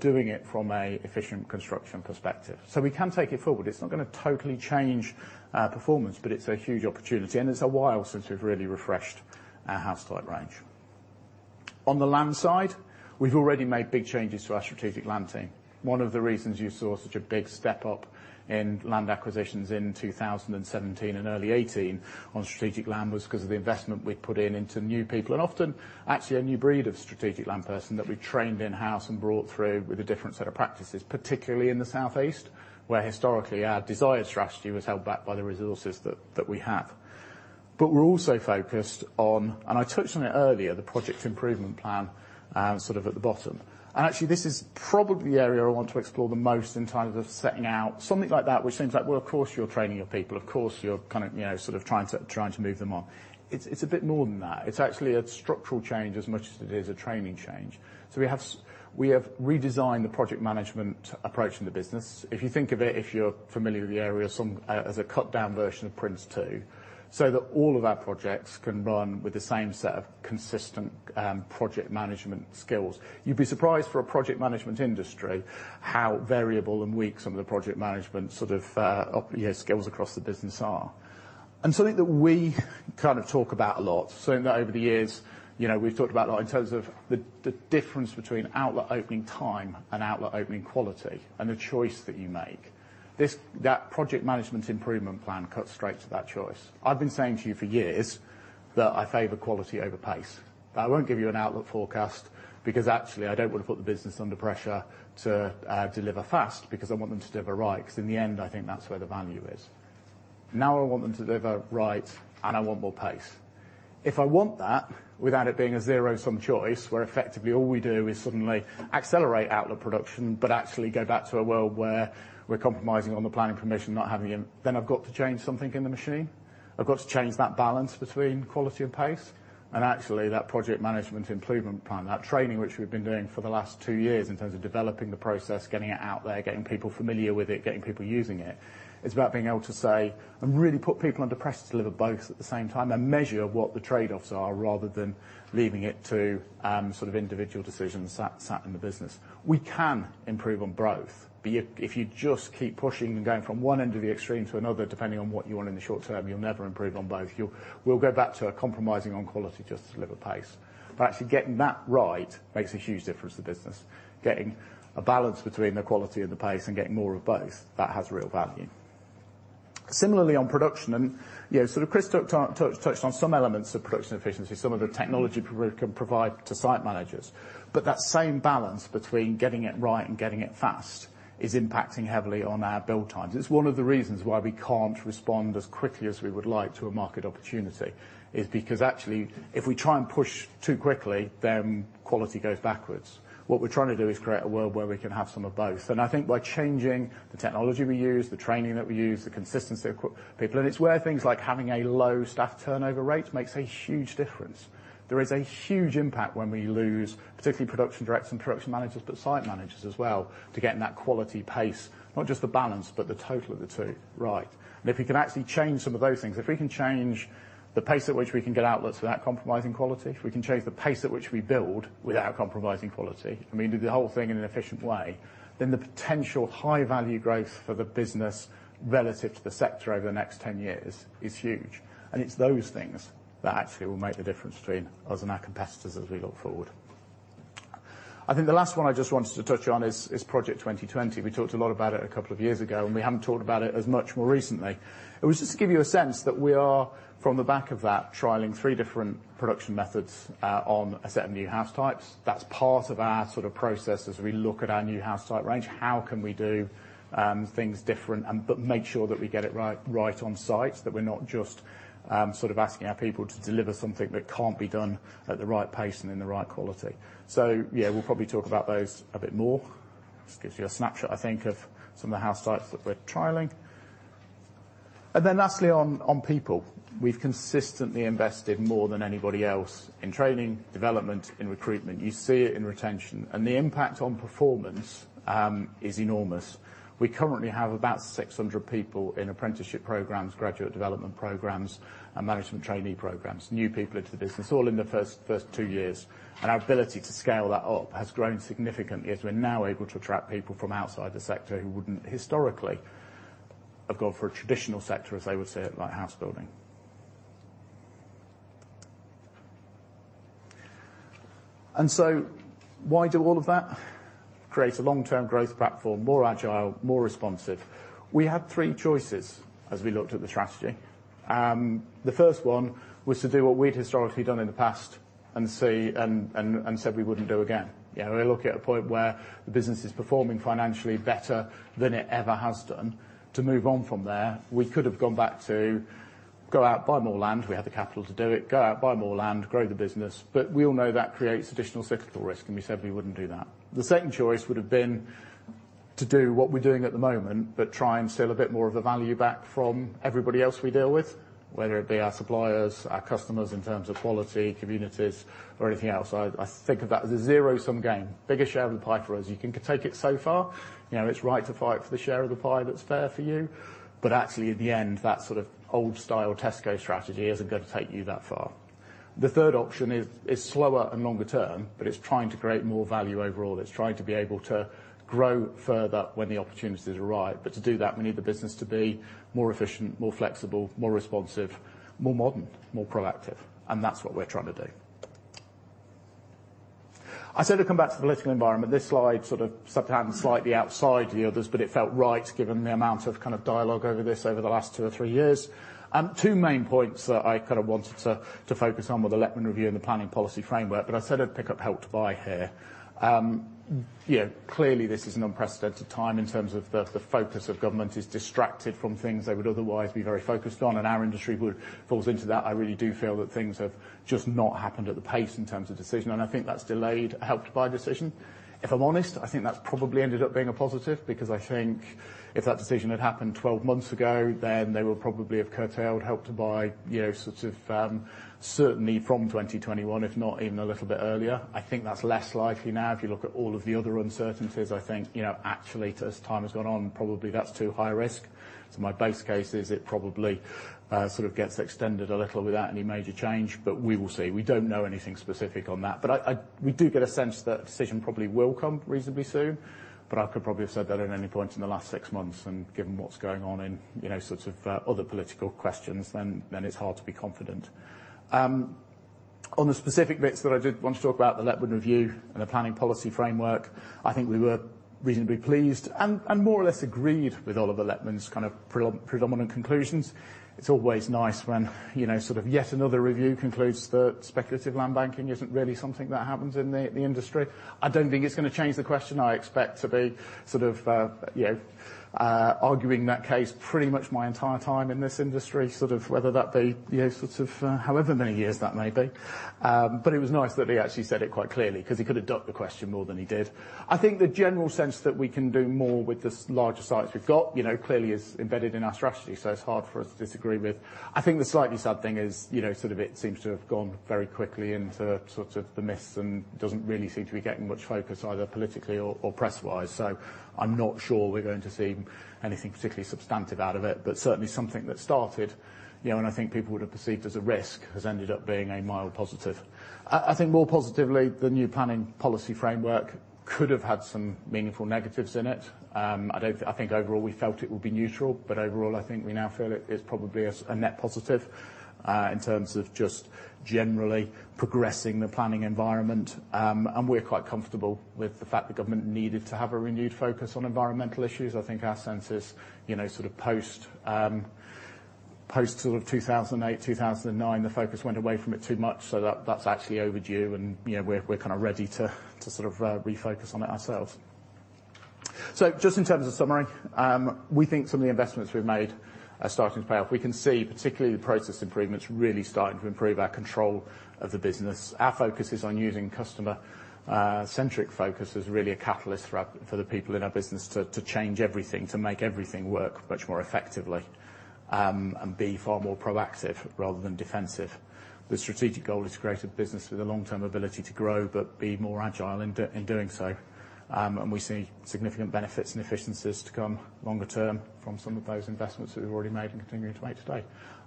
doing it from an efficient construction perspective. We can take it forward. It's not going to totally change performance, it's a huge opportunity, it's a while since we've really refreshed our house type range. On the land side, we've already made big changes to our strategic land team. One of the reasons you saw such a big step up in land acquisitions in 2017 and early 2018 on strategic land was because of the investment we'd put in into new people, often, actually a new breed of strategic land person that we trained in-house and brought through with a different set of practices, particularly in the Southeast, where historically our desired strategy was held back by the resources that we have. We're also focused on, I touched on it earlier, the Project Improvement Plan sort of at the bottom. Actually, this is probably the area I want to explore the most in terms of setting out something like that, which seems like, well, of course you're training your people, of course you're sort of trying to move them on. It's a bit more than that. It's actually a structural change as much as it is a training change. We have redesigned the project management approach in the business. If you think of it, if you're familiar with the area, as a cut-down version of PRINCE2, all of our projects can run with the same set of consistent project management skills. You'd be surprised for a project management industry how variable and weak some of the project management sort of skills across the business are. Something that we kind of talk about a lot, certainly over the years, we've talked about a lot in terms of the difference between outlet opening time and outlet opening quality, the choice that you make. That Project Improvement Plan cuts straight to that choice. I've been saying to you for years that I favor quality over pace. I won't give you an outlet forecast because actually I don't want to put the business under pressure to deliver fast, because I want them to deliver right, because in the end, I think that's where the value is. Now, I want them to deliver right, and I want more pace. If I want that, without it being a zero-sum choice, where effectively all we do is suddenly accelerate outlet production, but actually go back to a world where we're compromising on the planning permission, not having it, then I've got to change something in the machine. I've got to change that balance between quality and pace and actually that project management improvement plan, that training which we've been doing for the last two years in terms of developing the process, getting it out there, getting people familiar with it, getting people using it. It's about being able to say, really put people under pressure to deliver both at the same time, and measure what the trade-offs are rather than leaving it to sort of individual decisions sat in the business. We can improve on both. If you just keep pushing and going from one end of the extreme to another, depending on what you want in the short term, you'll never improve on both. We'll go back to compromising on quality just to deliver pace. Actually getting that right makes a huge difference to business. Getting a balance between the quality and the pace and getting more of both, that has real value. Similarly, on production, Chris touched on some elements of production efficiency, some of the technology we can provide to site managers. That same balance between getting it right and getting it fast is impacting heavily on our build times. It's one of the reasons why we can't respond as quickly as we would like to a market opportunity, is because actually, if we try and push too quickly, then quality goes backwards. What we're trying to do is create a world where we can have some of both. I think by changing the technology we use, the training that we use, the consistency of people, and it's where things like having a low staff turnover rate makes a huge difference. There is a huge impact when we lose, particularly production directors and production managers, but site managers as well, to getting that quality pace, not just the balance, but the total of the two right. If we can actually change some of those things, if we can change the pace at which we can get outlets without compromising quality, if we can change the pace at which we build without compromising quality, and we can do the whole thing in an efficient way, then the potential high-value growth for the business relative to the sector over the next 10 years is huge. It's those things that actually will make the difference between us and our competitors as we look forward. I think the last one I just wanted to touch on is Project 2020. We talked a lot about it a couple of years ago, and we haven't talked about it as much more recently. It was just to give you a sense that we are, from the back of that, trialing three different production methods on a set of new house types. That's part of our sort of process as we look at our new house type range. How can we do things different but make sure that we get it right on site, that we're not just sort of asking our people to deliver something that can't be done at the right pace and in the right quality. Yeah, we'll probably talk about those a bit more. Just gives you a snapshot, I think, of some of the house types that we're trialing. Lastly on people. We've consistently invested more than anybody else in training, development, in recruitment. You see it in retention. The impact on performance is enormous. We currently have about 600 people in apprenticeship programs, graduate development programs, and management trainee programs. New people into the business, all in the first two years. Our ability to scale that up has grown significantly, as we're now able to attract people from outside the sector who wouldn't historically have gone for a traditional sector, as they would say it, like house building. Why do all of that? Create a long-term growth platform, more agile, more responsive. We had three choices as we looked at the strategy. The first one was to do what we'd historically done in the past, and said we wouldn't do again. We're looking at a point where the business is performing financially better than it ever has done. To move on from there, we could have gone back to go out, buy more land. We had the capital to do it, go out, buy more land, grow the business. We all know that creates additional cyclical risk, and we said we wouldn't do that. The second choice would've been to do what we're doing at the moment, but try and sell a bit more of the value back from everybody else we deal with, whether it be our suppliers, our customers in terms of quality, communities, or anything else. I think of that as a zero-sum game. Bigger share of the pie for us. You can take it so far. It's right to fight for the share of the pie that's fair for you. Actually, at the end, that sort of old style Tesco strategy isn't going to take you that far. The third option is slower and longer term, but it's trying to create more value overall. It's trying to be able to grow further when the opportunities arise. To do that, we need the business to be more efficient, more flexible, more responsive, more modern, more proactive, and that's what we're trying to do. I said I'd come back to the political environment. This slide sort of sat down slightly outside the others, but it felt right given the amount of dialogue over this over the last two or three years. Two main points that I kind of wanted to focus on were the Letwin Review and the planning policy framework. I said I'd pick up Help to Buy here. Clearly this is an unprecedented time in terms of the focus of government is distracted from things they would otherwise be very focused on, and our industry falls into that. I really do feel that things have just not happened at the pace in terms of decision, and I think that's delayed Help to Buy decision. I think that's probably ended up being a positive, because I think if that decision had happened 12 months ago, then they would probably have curtailed Help to Buy certainly from 2021, if not even a little bit earlier. I think that's less likely now. If you look at all of the other uncertainties, I think, actually, as time has gone on, probably that's too high risk. My base case is it probably sort of gets extended a little without any major change. We will see. We don't know anything specific on that. We do get a sense that a decision probably will come reasonably soon. I could probably have said that at any point in the last six months, and given what's going on in other political questions, then it's hard to be confident. On the specific bits that I did want to talk about, the Letwin Review and the Planning Policy Framework, I think we were reasonably pleased and more or less agreed with Oliver Letwin's kind of predominant conclusions. It's always nice when yet another review concludes that speculative land banking isn't really something that happens in the industry. I don't think it's going to change the question. I expect to be arguing that case pretty much my entire time in this industry, sort of whether that be however many years that may be. It was nice that he actually said it quite clearly, because he could have ducked the question more than he did. I think the general sense that we can do more with the larger sites we've got, clearly is embedded in our strategy, so it's hard for us to disagree with. I think the slightly sad thing is it seems to have gone very quickly into the myths, and doesn't really seem to be getting much focus either politically or press-wise. I'm not sure we're going to see anything particularly substantive out of it. Certainly, something that started and I think people would've perceived as a risk, has ended up being a mild positive. I think more positively, the new Planning Policy Framework could have had some meaningful negatives in it. I think overall we felt it would be neutral, but overall, I think we now feel it is probably a net positive, in terms of just generally progressing the planning environment. We're quite comfortable with the fact the government needed to have a renewed focus on environmental issues. I think our sense is, post sort of 2008, 2009, the focus went away from it too much, so that's actually overdue, and we're kind of ready to refocus on it ourselves. Just in terms of summary, we think some of the investments we've made are starting to pay off. We can see particularly the process improvements really starting to improve our control of the business. Our focus is on using customer-centric focus as really a catalyst for the people in our business to change everything, to make everything work much more effectively, and be far more proactive rather than defensive. The strategic goal is to create a business with a long-term ability to grow, but be more agile in doing so. We see significant benefits and efficiencies to come longer term from some of those investments that we've already made and continuing to make today.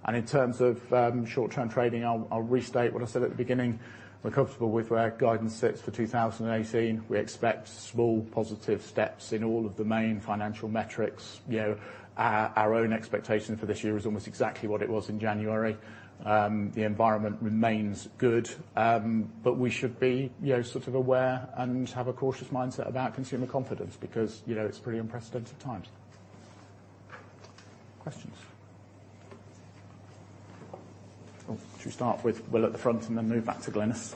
In terms of short-term trading, I'll restate what I said at the beginning. We're comfortable with where our guidance sits for 2018. We expect small positive steps in all of the main financial metrics. Our own expectation for this year is almost exactly what it was in January. The environment remains good. We should be aware and have a cautious mindset about consumer confidence because it's pretty unprecedented times. Questions? Should we start with Will at the front and then move back to Glynis?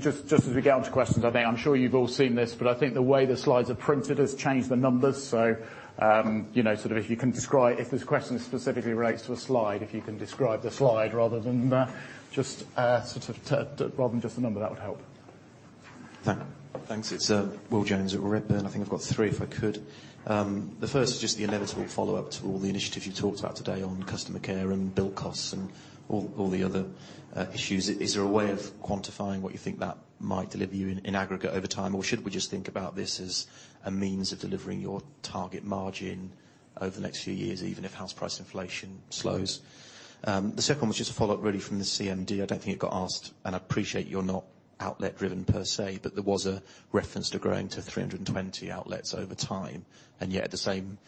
Just as we get on to questions, I'm sure you've all seen this, but the way the slides are printed has changed the numbers. If this question specifically relates to a slide, if you can describe the slide rather than just the number, that would help. Thanks. It's Will Jones at Redburn. I've got three, if I could. The first is the inevitable follow-up to all the initiatives you talked about today on customer care and bill costs and all the other issues. Is there a way of quantifying what you think that might deliver you in aggregate over time, or should we just think about this as a means of delivering your target margin over the next few years, even if house price inflation slows? The second one was a follow-up, really, from the CMD. I don't think it got asked, and I appreciate you're not outlet driven per se, but there was a reference to growing to 320 outlets over time. Yet at the same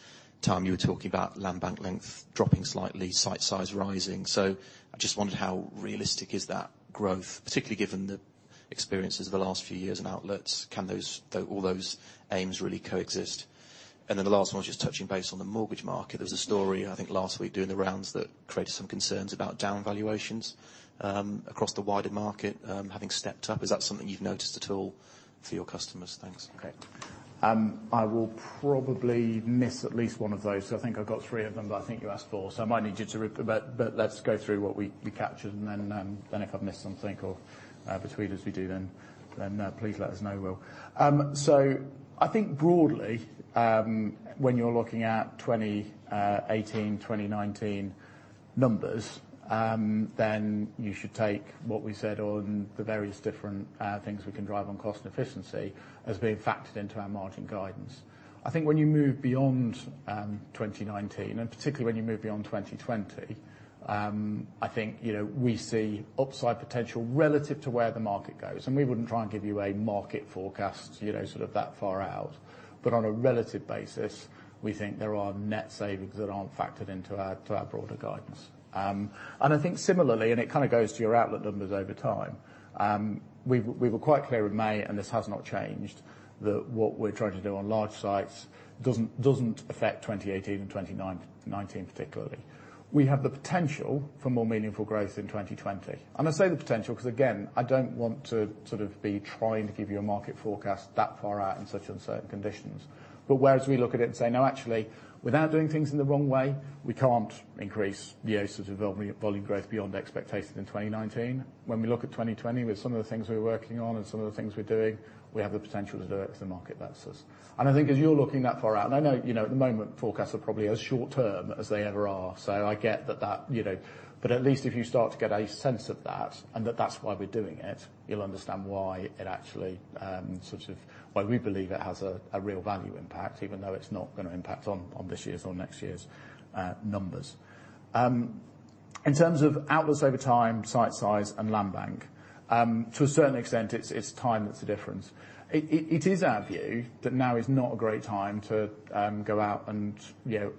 time you were talking about land bank length dropping slightly, site size rising. I wondered how realistic is that growth, particularly given the experiences of the last few years and outlets, can all those aims really coexist? The last one was touching base on the mortgage market. There was a story, last week doing the rounds that created some concerns about down valuations across the wider market. Having stepped up, is that something you've noticed at all for your customers? Thanks. Okay. I will probably miss at least one of those because I've got three of them, you asked four. Let's go through what we captured, and if I've missed something or between as we do, please let us know, Will. Broadly, when you're looking at 2018, 2019 numbers, you should take what we said on the various different things we can drive on cost and efficiency as being factored into our margin guidance. When you move beyond 2019, and particularly when you move beyond 2020, we see upside potential relative to where the market goes. We wouldn't try and give you a market forecast sort of that far out. On a relative basis, we think there are net savings that aren't factored into our broader guidance. I think similarly, it kind of goes to your outlet numbers over time. We were quite clear in May, and this has not changed, that what we're trying to do on large sites doesn't affect 2018 and 2019 particularly. We have the potential for more meaningful growth in 2020. I say the potential, because again, I don't want to sort of be trying to give you a market forecast that far out in such uncertain conditions. Whereas we look at it and say, "No, actually, without doing things in the wrong way, we can't increase the rates of volume growth beyond expectations in 2019." When we look at 2020 with some of the things we're working on and some of the things we're doing, we have the potential to do it if the market lets us. I think as you're looking that far out, and I know at the moment forecasts are probably as short term as they ever are. I get that. At least if you start to get a sense of that, and that that's why we're doing it, you'll understand why we believe it has a real value impact, even though it's not going to impact on this year's or next year's numbers. In terms of outlets over time, site size, and land bank. To a certain extent, it's time that's the difference. It is our view that now is not a great time to go out and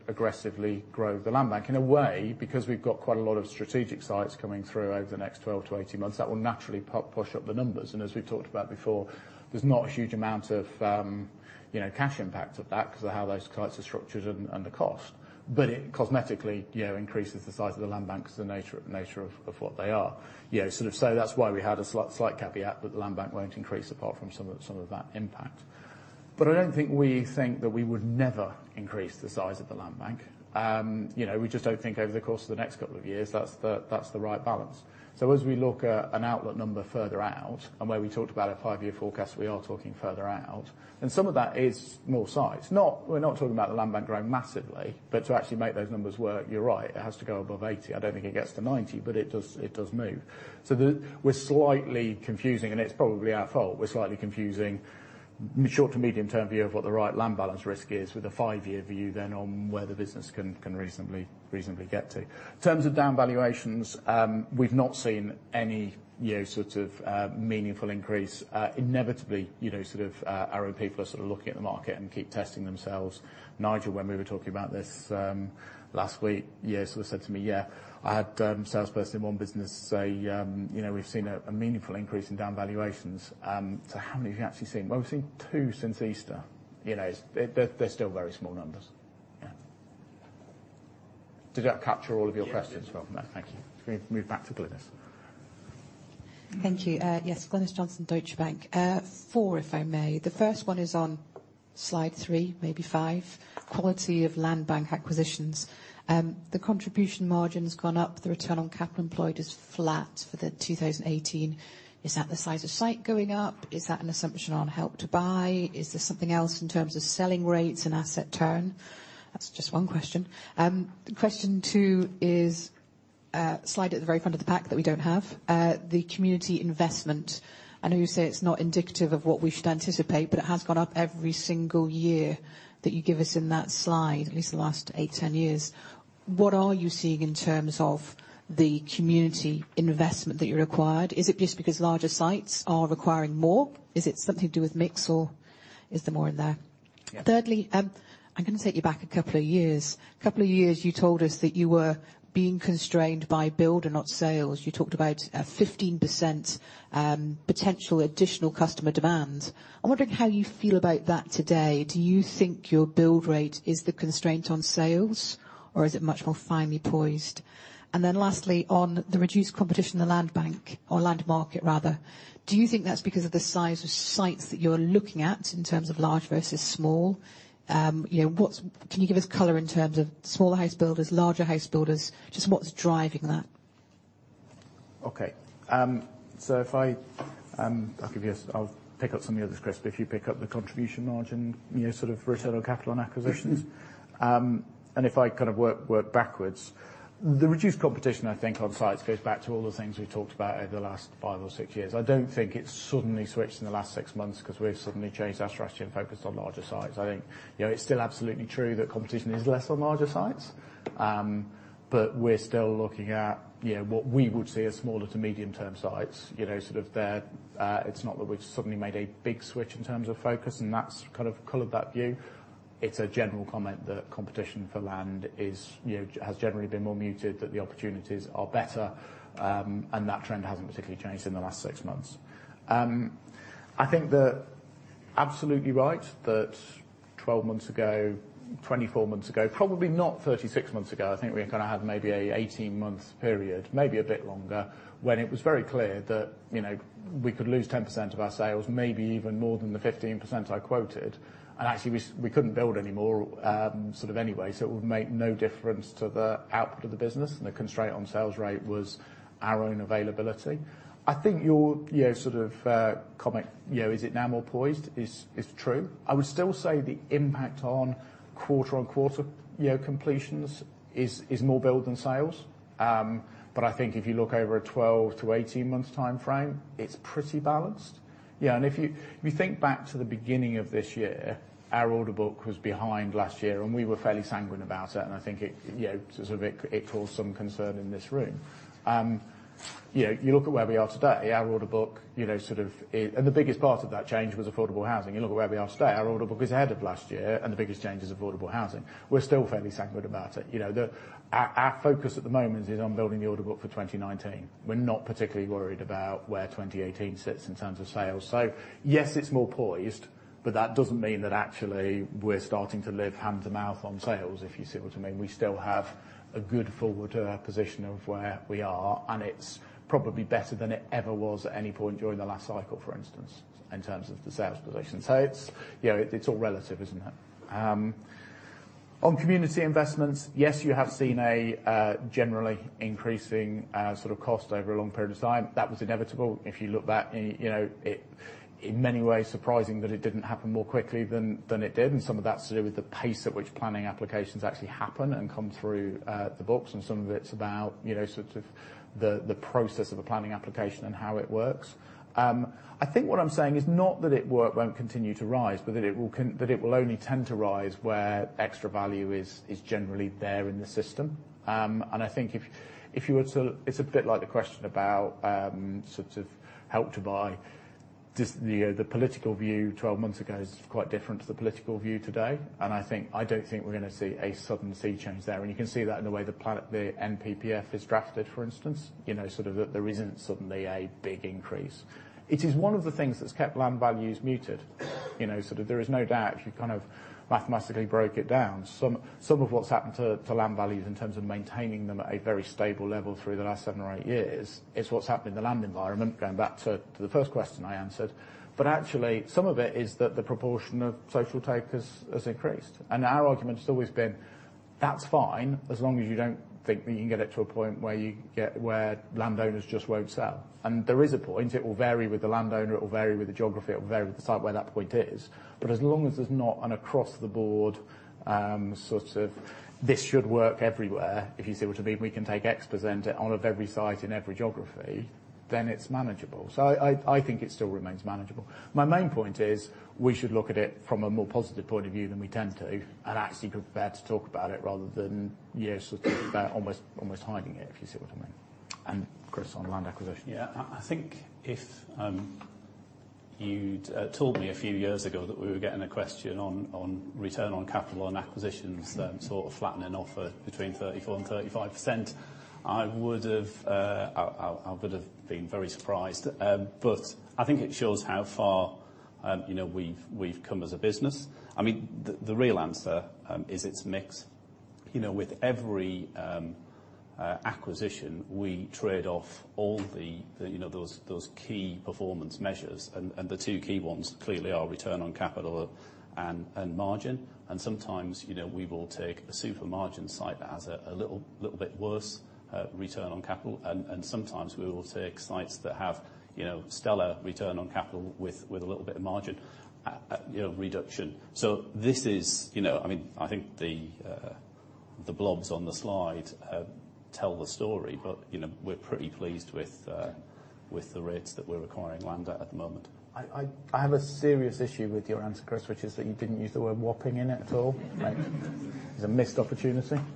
aggressively grow the land bank in a way, because we've got quite a lot of strategic sites coming through over the next 12 to 18 months that will naturally push up the numbers. As we've talked about before, there's not a huge amount of cash impact of that because of how those sites are structured and the cost. It cosmetically increases the size of the land bank because the nature of what they are. That's why we had a slight caveat that the land bank won't increase apart from some of that impact. I don't think we think that we would never increase the size of the land bank. We just don't think over the course of the next couple of years, that's the right balance. As we look at an outlet number further out and where we talked about a five-year forecast, we are talking further out, and some of that is more size. We're not talking about the land bank growing massively, to actually make those numbers work, you're right, it has to go above 80. I don't think it gets to 90, but it does move. We're slightly confusing, and it's probably our fault. We're slightly confusing short to medium term view of what the right land balance risk is with a five-year view then on where the business can reasonably get to. In terms of down valuations, we've not seen any sort of meaningful increase. Inevitably, our own people are sort of looking at the market and keep testing themselves. Nigel, when we were talking about this last week, sort of said to me, "Yeah, I had salesperson in one business say we've seen a meaningful increase in down valuations." I said, "How many have you actually seen?" "Well, we've seen two since Easter." They're still very small numbers. Yeah. Did that capture all of your questions, Will? Yeah. Thank you. Can we move back to Glynis? Thank you. Yes. Glynis Johnson, Deutsche Bank. Four, if I may. The first one is on slide three, maybe five. Quality of land bank acquisitions. The contribution margin's gone up. The return on capital employed is flat for 2018. Is that the size of site going up? Is that an assumption on Help to Buy? Is there something else in terms of selling rates and asset turn? That's just one question. Question two is a slide at the very front of the pack that we don't have. The community investment. I know you say it's not indicative of what we should anticipate, but it has gone up every single year that you give us in that slide, at least the last eight, 10 years. What are you seeing in terms of the community investment that you required? Is it just because larger sites are requiring more? Is it something to do with mix, or is there more in there? Yeah. Thirdly, I'm going to take you back a couple of years. A couple of years you told us that you were being constrained by build and not sales. You talked about a 15% potential additional customer demand. I'm wondering how you feel about that today. Do you think your build rate is the constraint on sales, or is it much more finely poised? Lastly, on the reduced competition in the land bank or land market rather, do you think that's because of the size of sites that you're looking at in terms of large versus small? Can you give us color in terms of smaller house builders, larger house builders? Just what's driving that? Okay. I'll pick up some of yours, Chris, but you pick up the contribution margin, sort of return on capital and acquisitions. If I kind of work backwards, the reduced competition I think on sites goes back to all the things we've talked about over the last five or six years. I don't think it's suddenly switched in the last six months because we've suddenly changed our strategy and focused on larger sites. I think it's still absolutely true that competition is less on larger sites. We're still looking at what we would see as smaller to medium-term sites. It's not that we've suddenly made a big switch in terms of focus and that's kind of colored that view. It's a general comment that competition for land has generally been more muted, that the opportunities are better, and that trend hasn't particularly changed in the last six months. I think that absolutely right, that 12 months ago, 24 months ago, probably not 36 months ago, I think we kind of had maybe an 18-month period, maybe a bit longer, when it was very clear that we could lose 10% of our sales, maybe even more than the 15% I quoted. Actually we couldn't build anymore, sort of anyway, so it would make no difference to the output of the business, and the constraint on sales rate was our own availability. I think your sort of comment, is it now more poised, is true. I would still say the impact on quarter-on-quarter completions is more build than sales. I think if you look over a 12 to 18 months timeframe, it's pretty balanced. If you think back to the beginning of this year, our order book was behind last year, and we were fairly sanguine about it. I think it caused some concern in this room. You look at where we are today, our order book, and the biggest part of that change was affordable housing. You look at where we are today, our order book is ahead of last year, and the biggest change is affordable housing. We're still fairly sanguine about it. Our focus at the moment is on building the order book for 2019. We're not particularly worried about where 2018 sits in terms of sales. Yes, it's more poised, but that doesn't mean that actually we're starting to live hand-to-mouth on sales, if you see what I mean. We still have a good forward position of where we are, and it's probably better than it ever was at any point during the last cycle, for instance, in terms of the sales position. It's all relative, isn't it? On community investments, yes, you have seen a generally increasing sort of cost over a long period of time. That was inevitable. If you look back, in many ways surprising that it didn't happen more quickly than it did, and some of that's to do with the pace at which planning applications actually happen and come through the books, and some of it's about sort of the process of a planning application and how it works. I think what I'm saying is not that it won't continue to rise, but that it will only tend to rise where extra value is generally there in the system. I think it's a bit like the question about sort of Help to Buy. The political view 12 months ago is quite different to the political view today. I don't think we're going to see a sudden sea change there. You can see that in the way the NPPF is drafted, for instance, sort of that there isn't suddenly a big increase. It is one of the things that's kept land values muted. There is no doubt if you kind of mathematically broke it down, some of what's happened to land values in terms of maintaining them at a very stable level through the last seven or eight years is what's happened in the land environment, going back to the first question I answered. Actually, some of it is that the proportion of social take has increased. Our argument has always been, that's fine as long as you don't think that you can get it to a point where landowners just won't sell. There is a point. It will vary with the landowner, it will vary with the geography, it will vary with the site where that point is. As long as there's not an across the board sort of, this should work everywhere, if you see what I mean, we can take X% out of every site in every geography, then it's manageable. I think it still remains manageable. My main point is we should look at it from a more positive point of view than we tend to, and actually be prepared to talk about it rather than sort of almost hiding it, if you see what I mean. Chris, on land acquisition. I think if you'd told me a few years ago that we were getting a question on return on capital and acquisitions sort of flattening off between 34%-35%, I would've been very surprised. I think it shows how far we've come as a business. The real answer is it's mix. With every acquisition, we trade off all those key performance measures. The two key ones clearly are return on capital and margin. Sometimes we will take a super margin site that has a little bit worse return on capital, and sometimes we will take sites that have stellar return on capital with a little bit of margin reduction. I think the blobs on the slide tell the story, but we're pretty pleased with the rates that we're acquiring land at at the moment. I have a serious issue with your answer, Chris, which is that you didn't use the word whopping in it at all. It was a missed opportunity. Can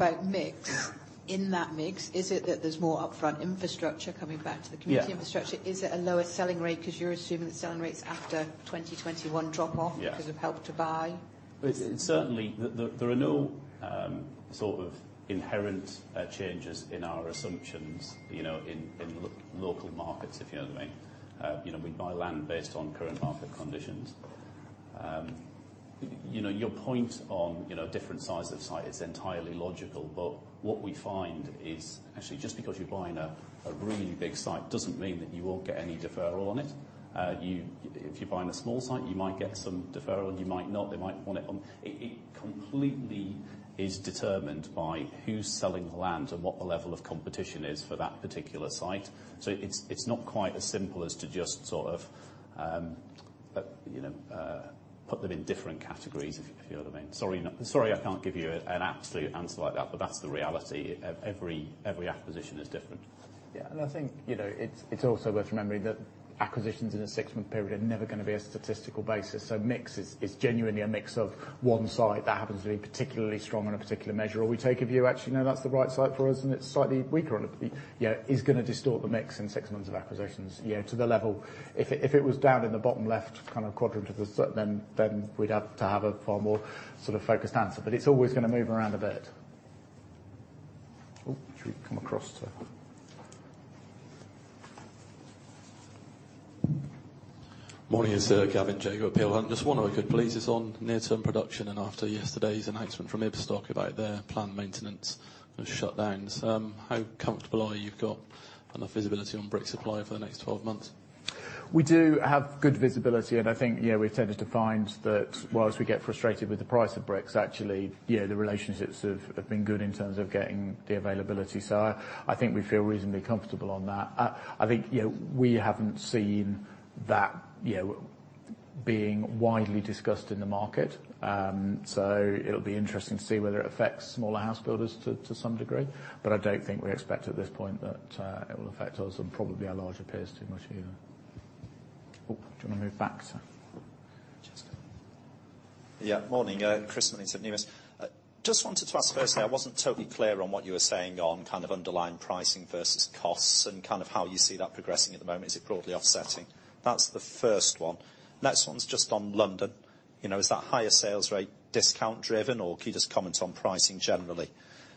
I just follow up there? When you talk about mix, in that mix, is it that there's more upfront infrastructure coming back to the community infrastructure? Yeah. Is it a lower selling rate because you're assuming that selling rates after 2021 drop off- Yeah because of Help to Buy? Certainly. There are no sort of inherent changes in our assumptions in local markets, if you know what I mean. We buy land based on current market conditions. Your point on different size of site is entirely logical, what we find is actually just because you're buying a really big site doesn't mean that you won't get any deferral on it. If you're buying a small site, you might get some deferral, you might not. They might want it on. Completely is determined by who's selling the land and what the level of competition is for that particular site. It's not quite as simple as to just sort of put them in different categories, if you know what I mean. Sorry I can't give you an absolute answer like that's the reality. Every acquisition is different. Yeah, I think, it's also worth remembering that acquisitions in a six-month period are never going to be a statistical basis. Mix is genuinely a mix of one site that happens to be particularly strong on a particular measure, or we take a view, actually, no, that's the right site for us, and it's slightly weaker on it. Is going to distort the mix in six months of acquisitions, to the level. If it was down in the bottom left kind of quadrant, then we'd have to have a far more sort of focused answer. It's always going to move around a bit. Should we come across to Morning. It's Gavin Jago, Peel Hunt. Just one word, could please us on near-term production and after yesterday's announcement from Ibstock about their planned maintenance and shutdowns. How comfortable are you you've got enough visibility on brick supply for the next 12 months? We do have good visibility, I think, yeah, we've tended to find that whilst we get frustrated with the price of bricks, actually, the relationships have been good in terms of getting the availability. I think we feel reasonably comfortable on that. I think we haven't seen that being widely discussed in the market. It'll be interesting to see whether it affects smaller house builders to some degree. I don't think we expect at this point that it will affect us and probably our larger peers too much either. Do you want to move back to Jessica? Yeah. Morning. Chris Millington, Numis. Just wanted to ask, firstly, I wasn't totally clear on what you were saying on kind of underlying pricing versus costs and kind of how you see that progressing at the moment. Is it broadly offsetting? That's the first one. Next one's just on London. Is that higher sales rate discount driven, or can you just comment on pricing generally?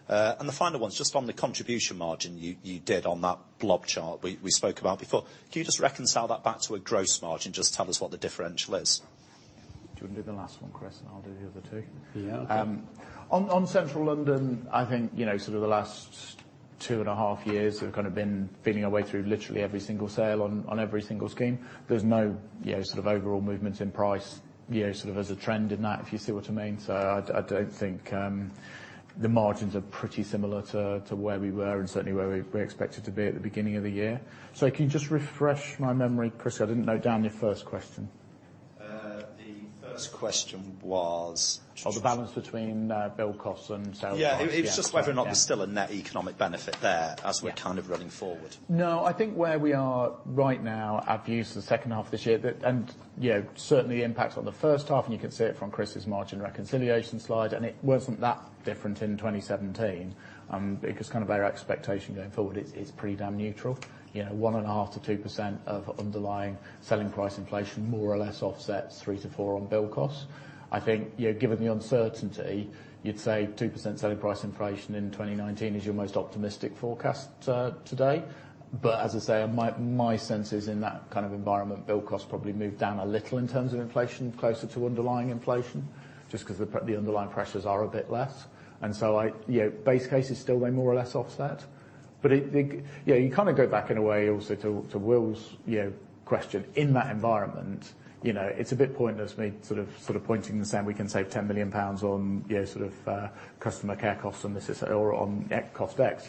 The final one is just on the contribution margin you did on that block chart we spoke about before. Can you just reconcile that back to a gross margin? Just tell us what the differential is. Do you want to do the last one, Chris, and I'll do the other two? Yeah. On central London, I think, sort of the last two and a half years, we've kind of been feeling our way through literally every single sale on every single scheme. There's no sort of overall movements in price as a trend in that, if you see what I mean. I don't think the margins are pretty similar to where we were and certainly where we expected to be at the beginning of the year. Can you just refresh my memory, Chris? I didn't note down your first question. The first question was. the balance between build costs and sales price, yeah. Yeah. It was just whether or not there's still a net economic benefit there as we're kind of running forward. I think where we are right now, our views for the second half of this year, certainly impacts on the first half, you can see it from Chris's margin reconciliation slide, it wasn't that different in 2017. Kind of our expectation going forward is pretty damn neutral. One and a half to 2% of underlying selling price inflation more or less offsets three to four on build costs. I think given the uncertainty, you'd say 2% selling price inflation in 2019 is your most optimistic forecast today. As I say, my sense is in that kind of environment, build cost probably moved down a little in terms of inflation, closer to underlying inflation, just because the underlying pressures are a bit less. Base case is still they more or less offset. You kind of go back in a way also to Will's question. In that environment, it's a bit pointless me sort of pointing this out, we can save 10 million pounds on sort of customer care costs and this is, or on cost X.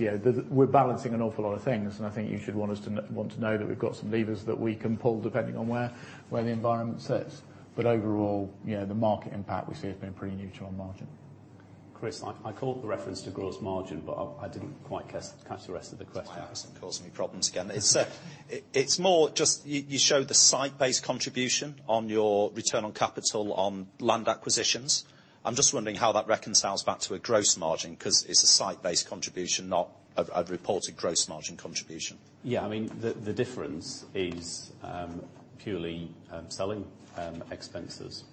We're balancing an awful lot of things, I think you should want to know that we've got some levers that we can pull depending on where the environment sits. Overall, the market impact we see has been pretty neutral on margin. Chris, I caught the reference to gross margin. I didn't quite catch the rest of the question. My accent causing me problems again. You show the site-based contribution on your return on capital on land acquisitions. I'm just wondering how that reconciles back to a gross margin because it's a site-based contribution, not a reported gross margin contribution. Yeah, I mean, the difference is purely selling expenses.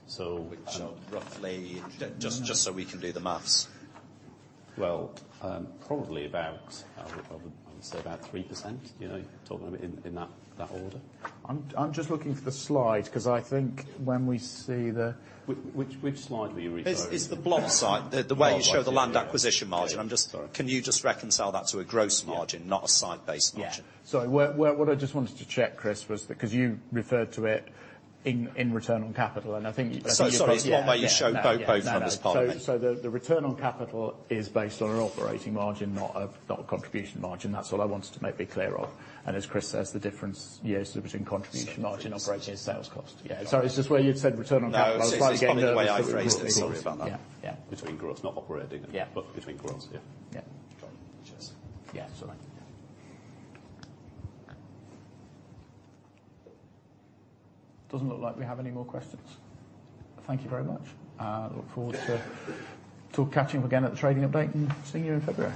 Roughly, just so we can do the math. Well, probably about, I would say about 3%, talking in that order. I'm just looking for the slide because I think when we see Which slide were you referring to? It's the block site, the way you show the land acquisition margin. Oh, got you. Yeah. I'm just- Sorry. Can you just reconcile that to a gross margin, not a site-based margin? Yeah. Sorry. What I just wanted to check, Chris, was because you referred to it in return on capital, and I think you- Sorry, it's the one where you show both. I just pardon me. No, no. The return on capital is based on an operating margin, not a contribution margin. That's all I wanted to maybe clear up. As Chris says, the difference, yeah, sort of between contribution margin operating sales cost. Yeah. Sorry, it's just where you'd said return on capital, I was trying to get- No, it's the way I phrased it. Sorry about that. Yeah. Between gross, not operating. Yeah. Between gross. Yeah. Yeah. Got it. Cheers. Yeah. Sorry. Doesn't look like we have any more questions. Thank you very much. Look forward to catching up again at the trading update and seeing you in February.